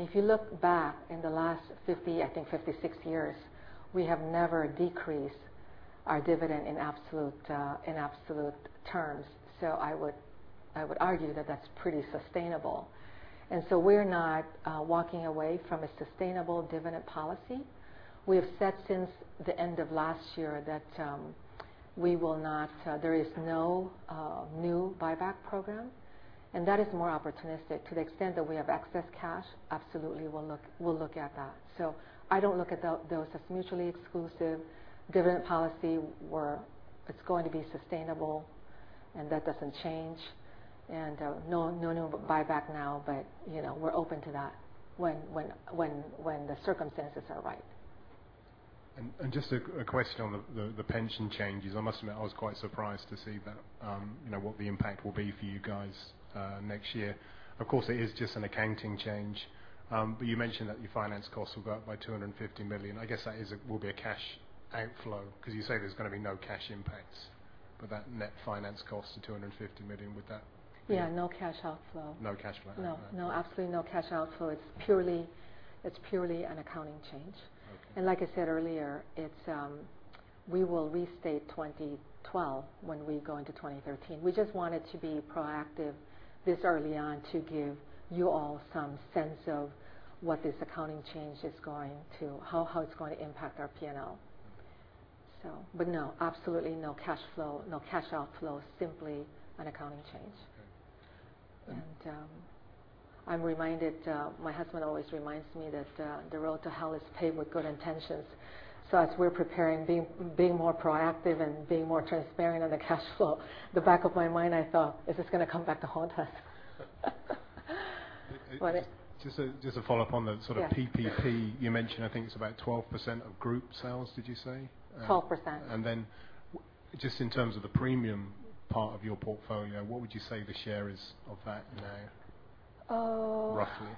If you look back in the last 50, I think 56 years, we have never decreased our dividend in absolute terms. I would argue that that's pretty sustainable. We're not walking away from a sustainable dividend policy. We have said since the end of last year that there is no new buyback program, and that is more opportunistic. To the extent that we have excess cash, absolutely, we'll look at that. I don't look at those as mutually exclusive. Dividend policy, it's going to be sustainable, and that doesn't change. No new buyback now, but we're open to that when the circumstances are right. Just a question on the pension changes. I must admit, I was quite surprised to see what the impact will be for you guys next year. Of course, it is just an accounting change. You mentioned that your finance costs will go up by 250 million. I guess that will be a cash outflow because you say there's going to be no cash impacts, but that net finance cost of 250 million, would that be. Yeah, no cash outflow. No cash outflow. All right. No. Absolutely no cash outflow. It's purely an accounting change. Okay. Like I said earlier, we will restate 2012 when we go into 2013. We just wanted to be proactive this early on to give you all some sense of what this accounting change, how it's going to impact our P&L. Okay. No, absolutely no cash flow, no cash outflow, simply an accounting change. Okay. I'm reminded, my husband always reminds me that the road to hell is paved with good intentions. As we're preparing, being more proactive and being more transparent on the cash flow, the back of my mind I thought, "Is this going to come back to haunt us? Just a follow-up on the sort of- Yeah PPP. You mentioned, I think it's about 12% of group sales, did you say? 12%. Just in terms of the premium part of your portfolio, what would you say the share is of that now, roughly?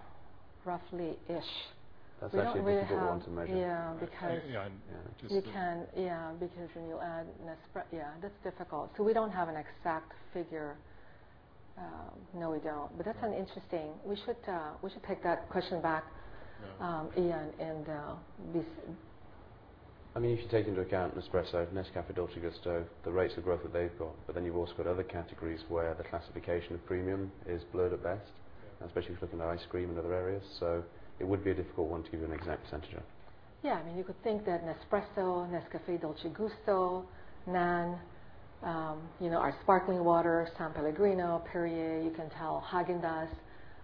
Roughly-ish. That's actually a difficult one to measure. Yeah. Yeah. Yeah. You can, yeah, because then you add Nespresso. Yeah, that's difficult. We don't have an exact figure. No, we don't. That's an interesting. We should take that question back. Yeah. Ian. If you take into account Nespresso, Nescafé Dolce Gusto, the rates of growth that they've got, but then you've also got other categories where the classification of premium is blurred at best. Yeah. Especially if you look at the ice cream and other areas. It would be a difficult one to give an exact percentage of. You could think that Nespresso, Nescafé Dolce Gusto, NAN, our sparkling water, S.Pellegrino, Perrier, you can tell Häagen-Dazs,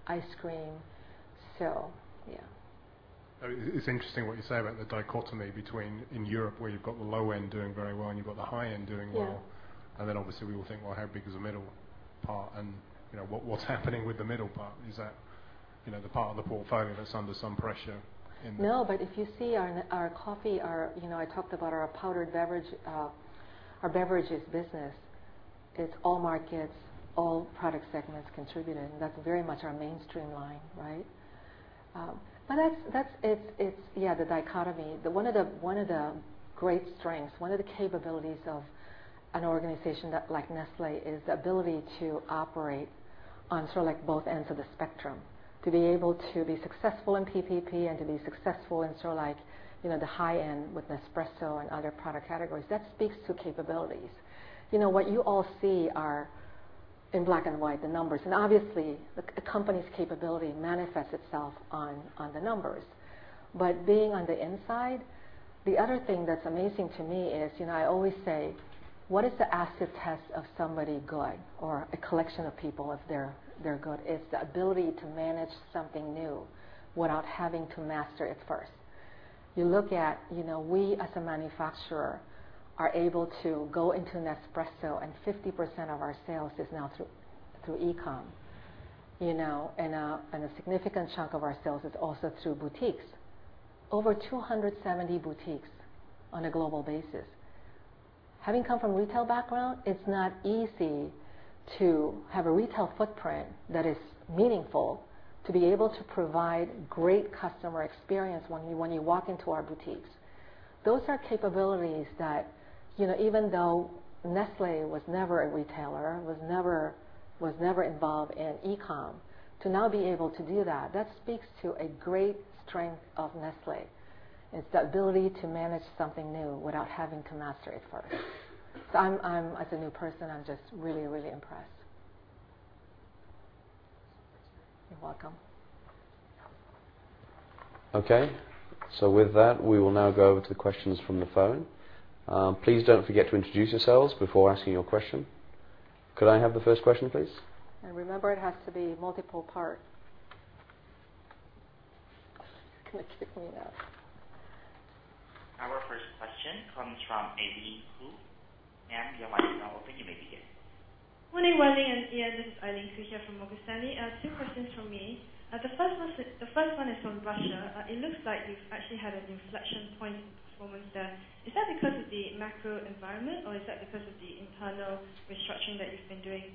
ice cream, so yeah. It's interesting what you say about the dichotomy between in Europe where you've got the low end doing very well, and you've got the high end doing well. Yeah. Obviously we all think, "Well, how big is the middle part?" What's happening with the middle part? Is that the part of the portfolio that's under some pressure? If you see our coffee, I talked about our powdered beverage, our beverages business. It's all markets, all product segments contributing. That's very much our mainstream line, right? It's the dichotomy. One of the great strengths, one of the capabilities of an organization like Nestlé is the ability to operate on both ends of the spectrum. To be able to be successful in PPP and to be successful in the high end with Nespresso and other product categories. That speaks to capabilities. What you all see are in black and white, the numbers. Obviously, the company's capability manifests itself on the numbers. Being on the inside, the other thing that's amazing to me is, I always say, "What is the acid test of somebody good or a collection of people if they're good?" It's the ability to manage something new without having to master it first. We as a manufacturer are able to go into Nespresso and 50% of our sales is now through e-com. A significant chunk of our sales is also through boutiques. Over 270 boutiques on a global basis. Having come from retail background, it's not easy to have a retail footprint that is meaningful, to be able to provide great customer experience when you walk into our boutiques. Those are capabilities that, even though Nestlé was never a retailer, was never involved in e-com, to now be able to do that speaks to a great strength of Nestlé. It's that ability to manage something new without having to master it first. I'm, as a new person, I'm just really impressed. You're welcome. With that, we will now go over to the questions from the phone. Please don't forget to introduce yourselves before asking your question. Could I have the first question, please? Remember, it has to be multiple part. It's going to trip me up. Our first question comes from Eileen Khoo. Your line is now open. You may begin. Good morning, Wan Ling and Ian. This is Eileen Khoo here from Morgan Stanley. Two questions from me. The first one is on Russia. It looks like you've actually had an inflection point in performance there. Is that because of the macro environment or is that because of the internal restructuring that you've been doing?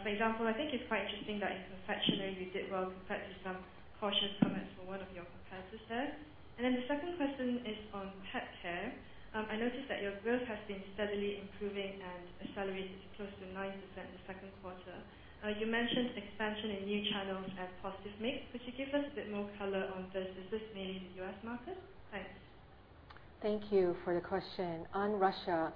For example, I think it's quite interesting that in confectionery you did well compared to some cautious comments from one of your competitors there. The second question is on pet care. I noticed that your growth has been steadily improving and accelerated to close to 9% in the second quarter. You mentioned expansion in new channels as positive mix. Could you give us a bit more color on this? Is this mainly the U.S. market? Thanks. Thank you for the question. On Russia,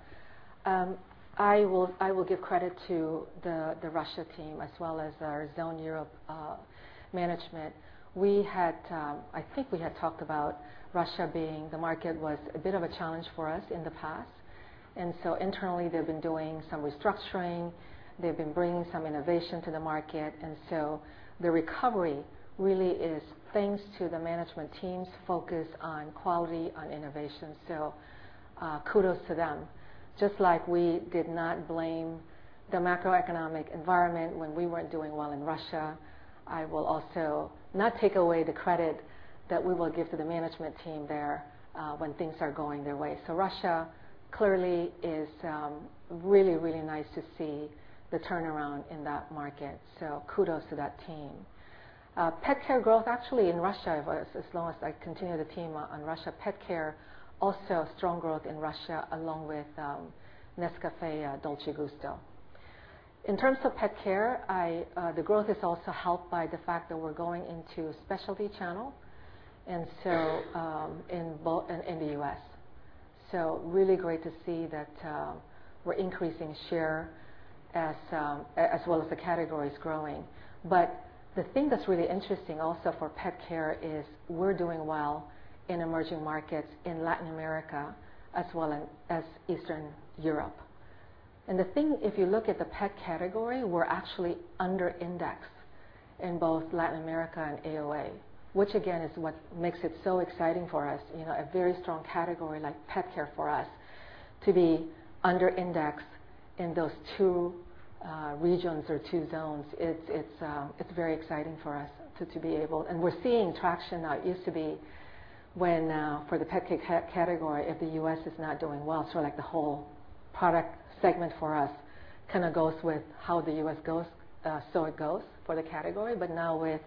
I will give credit to the Russia team as well as our Zone Europe management. I think we had talked about Russia being the market was a bit of a challenge for us in the past. Internally they've been doing some restructuring. They've been bringing some innovation to the market. The recovery really is thanks to the management team's focus on quality, on innovation. Kudos to them. Just like we did not blame the macroeconomic environment when we weren't doing well in Russia, I will also not take away the credit that we will give to the management team there, when things are going their way. Russia clearly is really, really nice to see the turnaround in that market. Kudos to that team. Pet care growth, actually in Russia, as long as I continue the theme on Russia, pet care also strong growth in Russia along with Nescafé Dolce Gusto. In terms of pet care, the growth is also helped by the fact that we're going into specialty channel, and so in the U.S. Really great to see that we're increasing share as well as the categories growing. The thing that's really interesting also for pet care is we're doing well in emerging markets in Latin America as well as Eastern Europe. The thing, if you look at the pet category, we're actually under index in both Latin America and AOA, which again is what makes it so exciting for us. A very strong category like pet care for us to be under index in those two regions or two zones. It's very exciting for us to be able, and we're seeing traction now. It used to be when for the pet care category, if the U.S. is not doing well, so like the whole product segment for us kind of goes with how the U.S. goes, so it goes for the category. Now with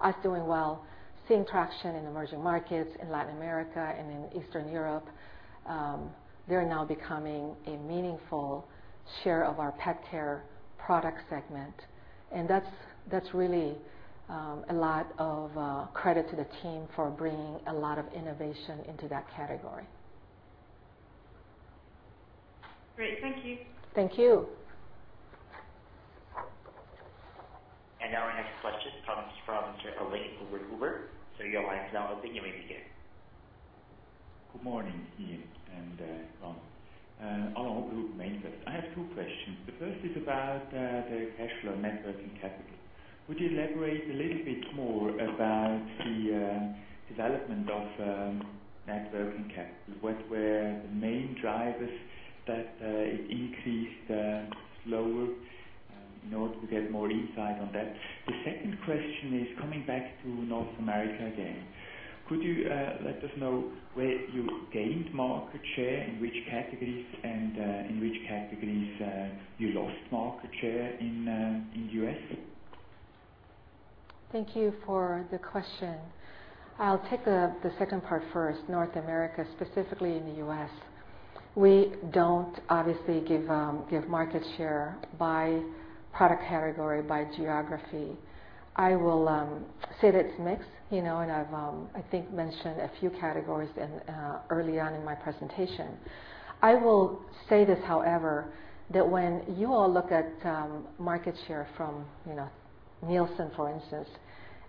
us doing well, seeing traction in emerging markets in Latin America and in Eastern Europe, they're now becoming a meaningful share of our pet care product segment. That's really a lot of credit to the team for bringing a lot of innovation into that category. Great. Thank you. Thank you. Now our next question comes from Alain Oberhuber. Your line is now open. You may begin. Good morning, Ian and Wan. Hello, Group MainFirst. I have two questions. The first is about the cash flow net working capital. Would you elaborate a little bit more about the development of net working capital? What were the main drivers that it increased slower in order to get more insight on that? The second question is coming back to North America again. Could you let us know where you gained market share, in which categories and in which categories you lost market share in U.S.? Thank you for the question. I'll take the second part first, North America, specifically in the U.S. We don't obviously give market share by product category, by geography. I will say that it's mixed, and I've, I think mentioned a few categories early on in my presentation. I will say this however, that when you all look at market share from Nielsen, for instance,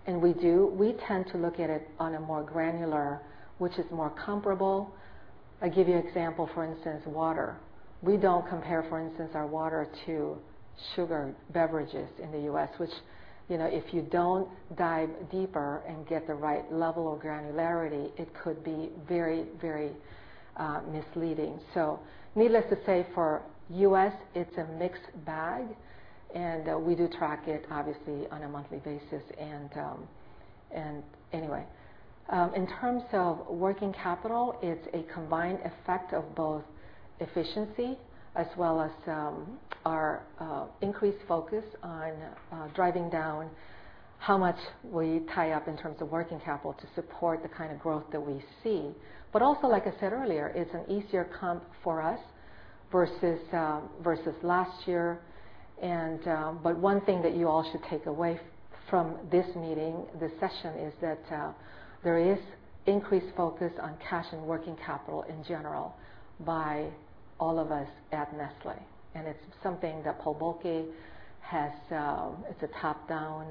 and we do, we tend to look at it on a more granular, which is more comparable I give you example, for instance, water. We don't compare, for instance, our water to sugar beverages in the U.S., which if you don't dive deeper and get the right level of granularity, it could be very misleading. Needless to say, for U.S., it's a mixed bag, and we do track it, obviously, on a monthly basis. Anyway. In terms of working capital, it's a combined effect of both efficiency as well as our increased focus on driving down how much we tie up in terms of working capital to support the kind of growth that we see. Also, like I said earlier, it's an easier comp for us versus last year. One thing that you all should take away from this meeting, this session, is that there is increased focus on cash and working capital in general by all of us at Nestlé. It's something that Paul Bulcke, it's a top-down,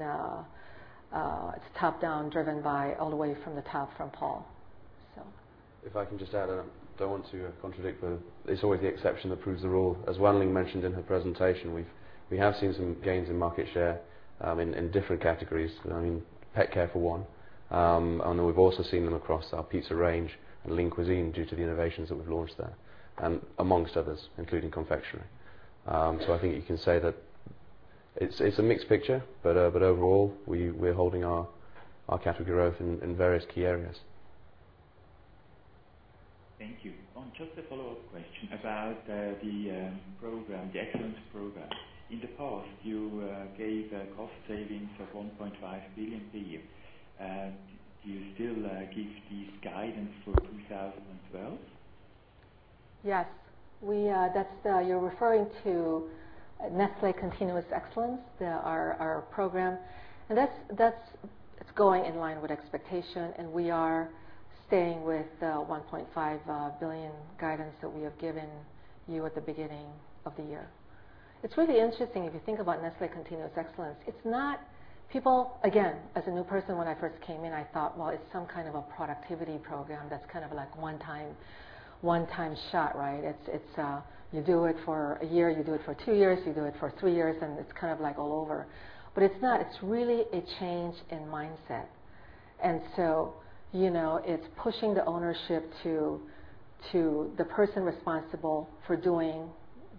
driven by all the way from the top from Paul. If I can just add, I don't want to contradict, it's always the exception that proves the rule. As Wan Ling mentioned in her presentation, we have seen some gains in market share, in different categories. I mean, pet care for one. I know we've also seen them across our pizza range and Lean Cuisine due to the innovations that we've launched there, amongst others, including confectionery. I think you can say that it's a mixed picture, but overall, we're holding our category growth in various key areas. Thank you. Just a follow-up question about the Nestlé Continuous Excellence program. In the past, you gave cost savings of 1.5 billion per year. Do you still give this guidance for 2012? Yes. You're referring to Nestlé Continuous Excellence, our program. That's going in line with expectation, we are staying with the 1.5 billion guidance that we have given you at the beginning of the year. It's really interesting, if you think about Nestlé Continuous Excellence, people, again, as a new person, when I first came in, I thought, well, it's some kind of a productivity program that's kind of like one time shot, right? You do it for a year, you do it for two years, you do it for three years, it's kind of like all over. It's not. It's really a change in mindset. It's pushing the ownership to the person responsible for doing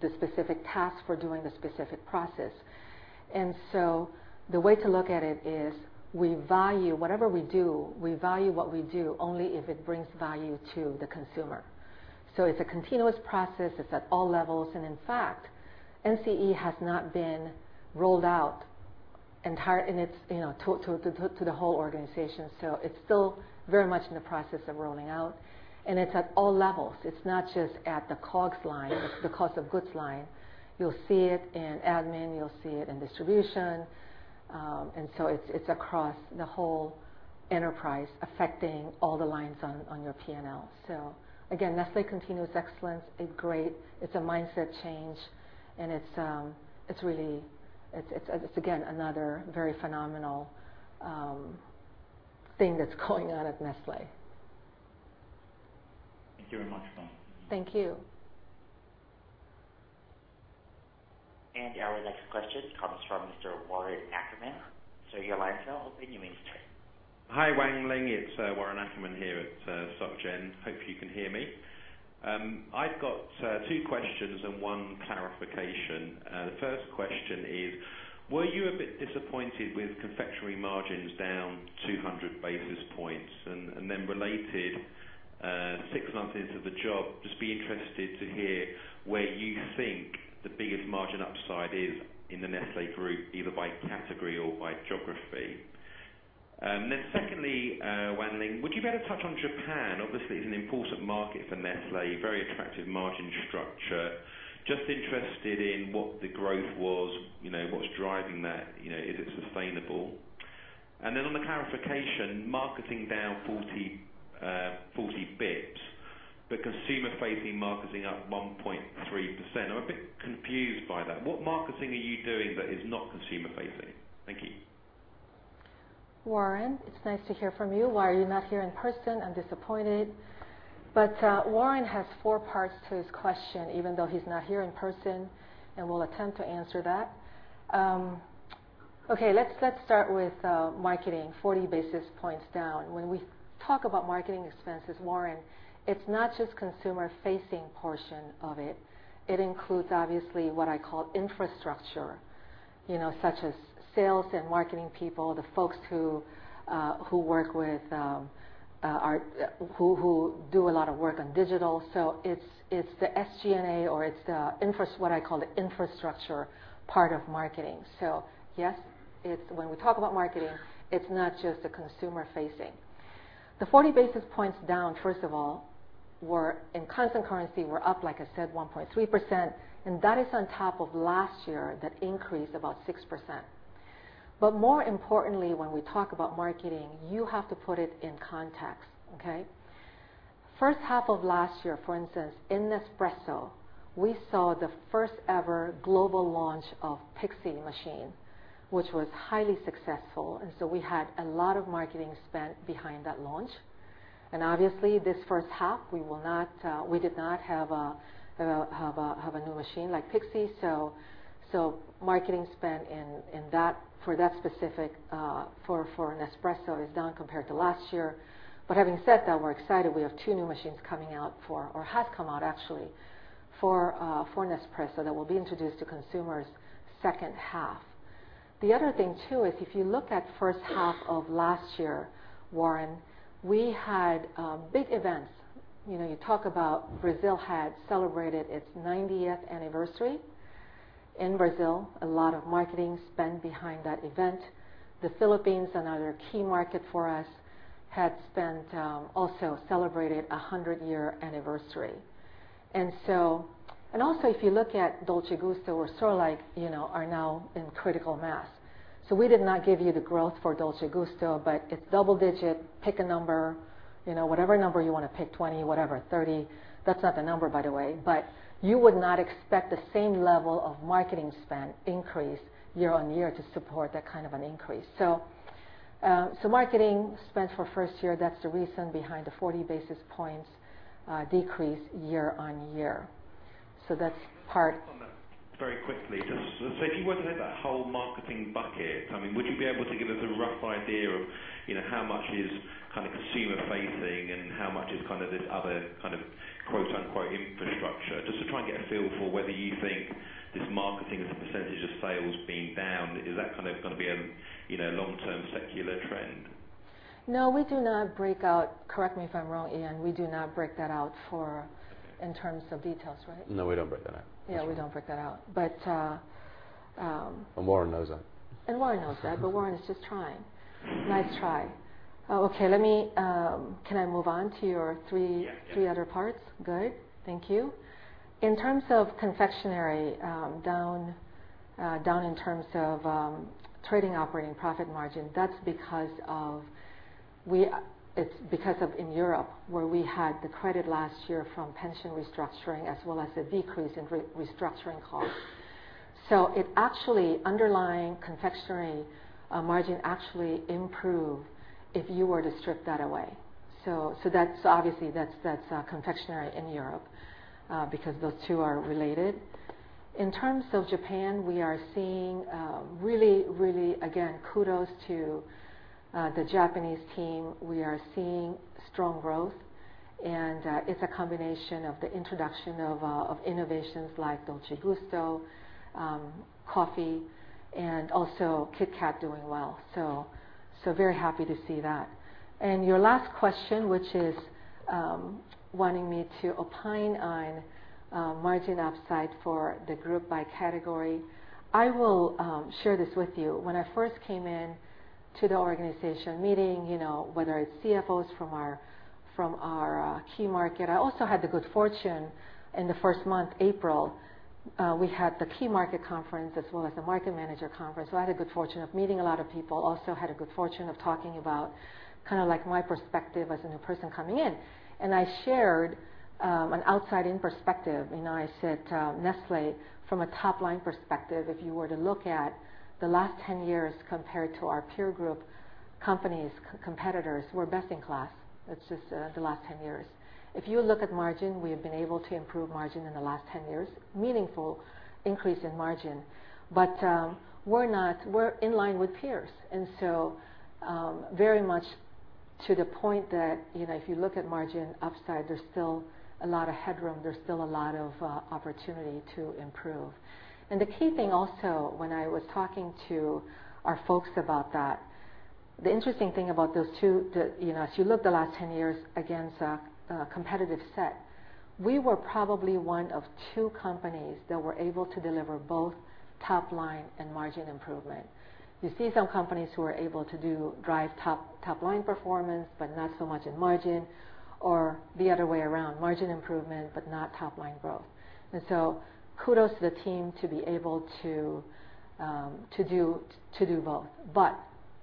the specific task, for doing the specific process. The way to look at it is, whatever we do, we value what we do only if it brings value to the consumer. It's a continuous process. It's at all levels, in fact, NCE has not been rolled out to the whole organization. It's still very much in the process of rolling out, it's at all levels. It's not just at the COGS line, the cost of goods line. You'll see it in admin, you'll see it in distribution. It's across the whole enterprise, affecting all the lines on your P&L. Again, Nestlé Continuous Excellence, it's a mindset change, it's again, another very phenomenal thing that's going on at Nestlé. Thank you very much, Wan. Thank you. Our next question comes from Mr. Warren Ackerman. Sir, your line is now open. You may start. Hi, Wan Ling. It is Warren Ackerman here at Société Générale. Hope you can hear me. I have got two questions and one clarification. The first question is, were you a bit disappointed with confectionery margins down 200 basis points? Related, six months into the job, just be interested to hear where you think the biggest margin upside is in the Nestlé group, either by category or by geography. Secondly, Wan Ling, would you be able to touch on Japan? Obviously, it is an important market for Nestlé, very attractive margin structure. Just interested in what the growth was, what is driving that, is it sustainable? On the clarification, marketing down 40 basis points, but consumer-facing marketing up 1.3%. I am a bit confused by that. What marketing are you doing that is not consumer-facing? Thank you. Warren, it's nice to hear from you. Why are you not here in person? I'm disappointed. Warren has four parts to his question, even though he's not here in person, and will attempt to answer that. Let's start with marketing, 40 basis points down. When we talk about marketing expenses, Warren, it's not just consumer-facing portion of it. It includes, obviously, what I call infrastructure, such as sales and marketing people, the folks who do a lot of work on digital. It's the SG&A or it's what I call the infrastructure part of marketing. Yes, when we talk about marketing, it's not just the consumer-facing. The 40 basis points down, first of all, in constant currency, we're up, like I said, 1.3%, and that is on top of last year, that increased about 6%. More importantly, when we talk about marketing, you have to put it in context. First half of last year, for instance, in Nespresso, we saw the first ever global launch of Pixie machine, which was highly successful, and we had a lot of marketing spent behind that launch. Obviously, this first half, we did not have a new machine like Pixie. Marketing spend for Nespresso is down compared to last year. Having said that, we're excited, we have two new machines coming out, or has come out actually, for Nespresso that will be introduced to consumers second half. The other thing too is if you look at first half of last year, Warren, we had big events. You talk about Brazil had celebrated its 90th anniversary in Brazil, a lot of marketing spend behind that event. The Philippines, another key market for us, had also celebrated 100-year anniversary. Also, if you look at Nescafé Dolce Gusto or so like, are now in critical mass. We did not give you the growth for Nescafé Dolce Gusto, but it's double digit, pick a number, whatever number you want to pick, 20, whatever, 30. That's not the number, by the way. You would not expect the same level of marketing spend increase year on year to support that kind of an increase. Marketing spend for first year, that's the reason behind the 40 basis points decrease year on year. Just on that very quickly. If you were to take that whole marketing bucket, would you be able to give us a rough idea of how much is kind of consumer facing and how much is kind of this other kind of quote-unquote, infrastructure? Just to try and get a feel for whether you think this marketing as a percentage of sales being down, is that kind of going to be a long-term secular trend? Correct me if I'm wrong, Ian, we do not break that out in terms of details, right? No, we don't break that out. Yeah, we don't break that out. Warren knows that. Warren knows that, Warren is just trying. Nice try. Okay, can I move on to your three other parts? Yes. Good. Thank you. In terms of confectionery, down in terms of trading operating profit margin, that's because of in Europe, where we had the credit last year from pension restructuring, as well as a decrease in restructuring costs. Underlying confectionery margin actually improved if you were to strip that away. Obviously, that's confectionery in Europe, because those two are related. In terms of Japan, again, kudos to the Japanese team. We are seeing strong growth, and it's a combination of the introduction of innovations like Dolce Gusto coffee and also KitKat doing well. Very happy to see that. Your last question, which is wanting me to opine on margin upside for the group by category. I will share this with you. When I first came in to the organization meeting, whether it's CFOs from our key market. I also had the good fortune in the first month, April, we had the key market conference as well as the market manager conference. I had the good fortune of meeting a lot of people, also had the good fortune of talking about my perspective as a new person coming in. I shared an outside-in perspective, I said, Nestlé from a top-line perspective, if you were to look at the last 10 years compared to our peer group companies, competitors, we're best in class. That's just the last 10 years. If you look at margin, we have been able to improve margin in the last 10 years, meaningful increase in margin. We're in line with peers. Very much to the point that if you look at margin upside, there's still a lot of headroom, there's still a lot of opportunity to improve. The key thing also, when I was talking to our folks about that, the interesting thing about those two, as you look the last 10 years against a competitive set, we were probably one of two companies that were able to deliver both top line and margin improvement. You see some companies who are able to drive top-line performance, but not so much in margin or the other way around, margin improvement, but not top-line growth. Kudos to the team to be able to do both.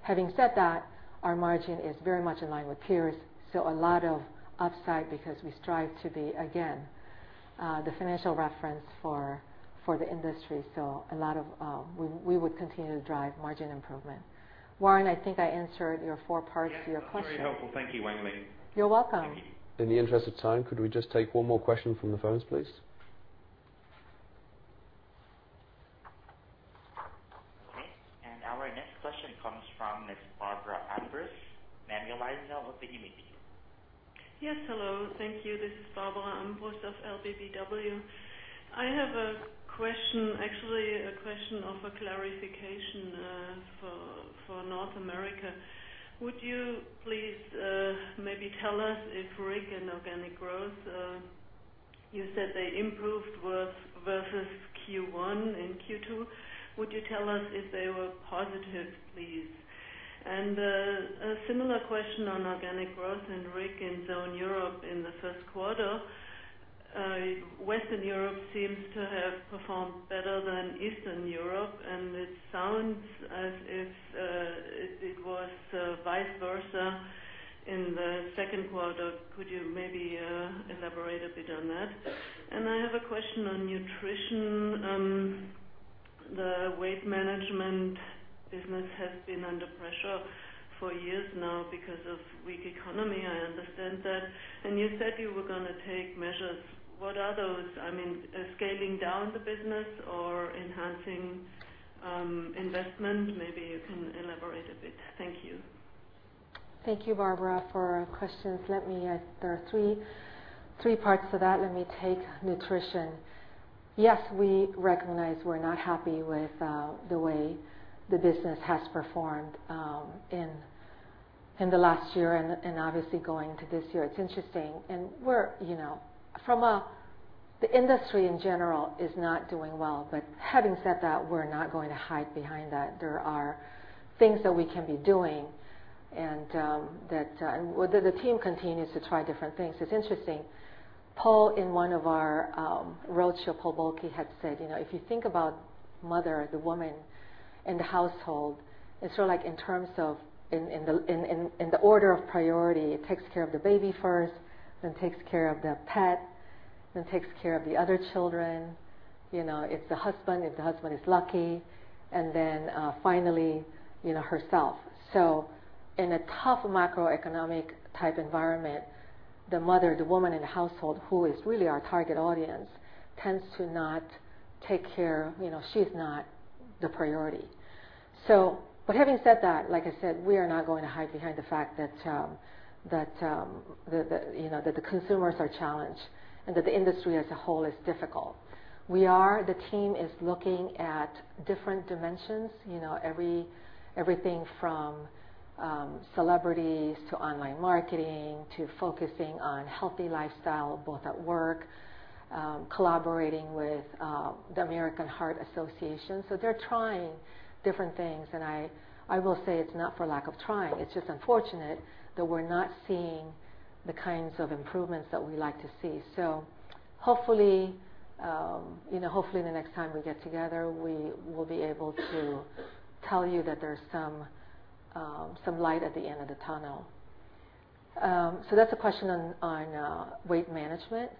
Having said that, our margin is very much in line with peers. A lot of upside because we strive to be, again, the financial reference for the industry. We would continue to drive margin improvement. Warren, I think I answered your four parts to your question. Yes, that's very helpful. Thank you, Wan Ling. You're welcome. Thank you. In the interest of time, could we just take one more question from the phones, please? Okay. Our next question comes from Ms. Barbara Ambros. Ma'am, your line is now open. You may begin. Yes, hello. Thank you. This is Barbara Ambros of LBBW. I have a question, actually, a question of a clarification for North America. Would you please maybe tell us if RIG and organic growth, you said they improved versus Q1 and Q2. Would you tell us if they were positive, please? A similar question on organic growth and RIG in Zone Europe in the first quarter. Western Europe seems to have performed better than Eastern Europe, and it sounds as if it was vice versa in the second quarter. Could you maybe elaborate a bit on that? I have a question on nutrition. The weight management business has been under pressure for years now because of weak economy, I understand that. You said you were going to take measures. What are those? I mean, scaling down the business or enhancing investment? Maybe you can elaborate a bit. Thank you. Thank you, Barbara, for questions. There are three parts to that. Let me take nutrition. Yes, we recognize we're not happy with the way the business has performed in the last year and obviously going into this year. It's interesting. The industry in general is not doing well, but having said that, we're not going to hide behind that. There are things that we can be doing and the team continues to try different things. It's interesting. Paul, in one of our roadshow, Paul Bulcke had said, if you think about mother, the woman in the household, in terms of in the order of priority, takes care of the baby first, then takes care of the pet, then takes care of the other children, if there's a husband, if the husband is lucky, and then finally, herself. In a tough macroeconomic type environment, the mother, the woman in the household, who is really our target audience, tends to not take care. She's not the priority. Having said that, like I said, we are not going to hide behind the fact that the consumers are challenged and that the industry as a whole is difficult. The team is looking at different dimensions, everything from celebrities to online marketing to focusing on healthy lifestyle, both at work, collaborating with the American Heart Association. They're trying different things, and I will say it's not for lack of trying. It's just unfortunate that we're not seeing the kinds of improvements that we like to see. Hopefully the next time we get together, we will be able to tell you that there's some light at the end of the tunnel. That's a question on weight management.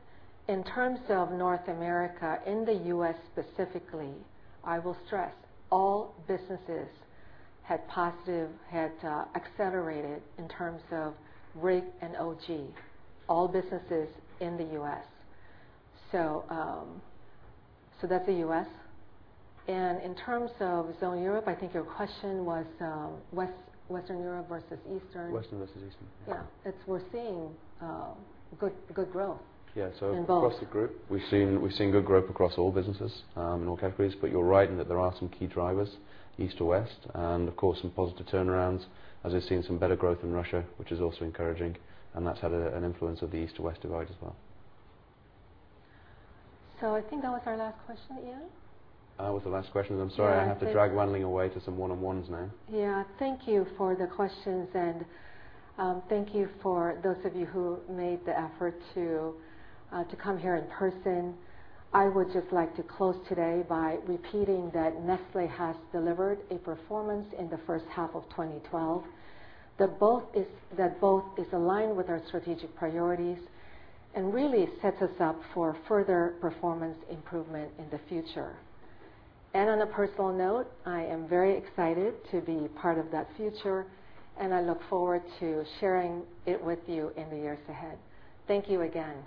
In terms of North America, in the U.S. specifically, I will stress all businesses had accelerated in terms of RIG and OG, all businesses in the U.S. That's the U.S. In terms of Zone Europe, I think your question was Western Europe versus Eastern. Western versus Eastern. We're seeing good growth in both. Across the group, we've seen good growth across all businesses, in all categories. You're right in that there are some key drivers, East or West, and of course, some positive turnarounds as we've seen some better growth in Russia, which is also encouraging, and that's had an influence of the East to West divide as well. I think that was our last question, Ian. That was the last question. I'm sorry. I have to drag Wan Ling away to some one-on-ones now. Thank you for the questions, thank you for those of you who made the effort to come here in person. I would just like to close today by repeating that Nestlé has delivered a performance in the first half of 2012 that both is aligned with our strategic priorities and really sets us up for further performance improvement in the future. On a personal note, I am very excited to be part of that future, and I look forward to sharing it with you in the years ahead. Thank you again.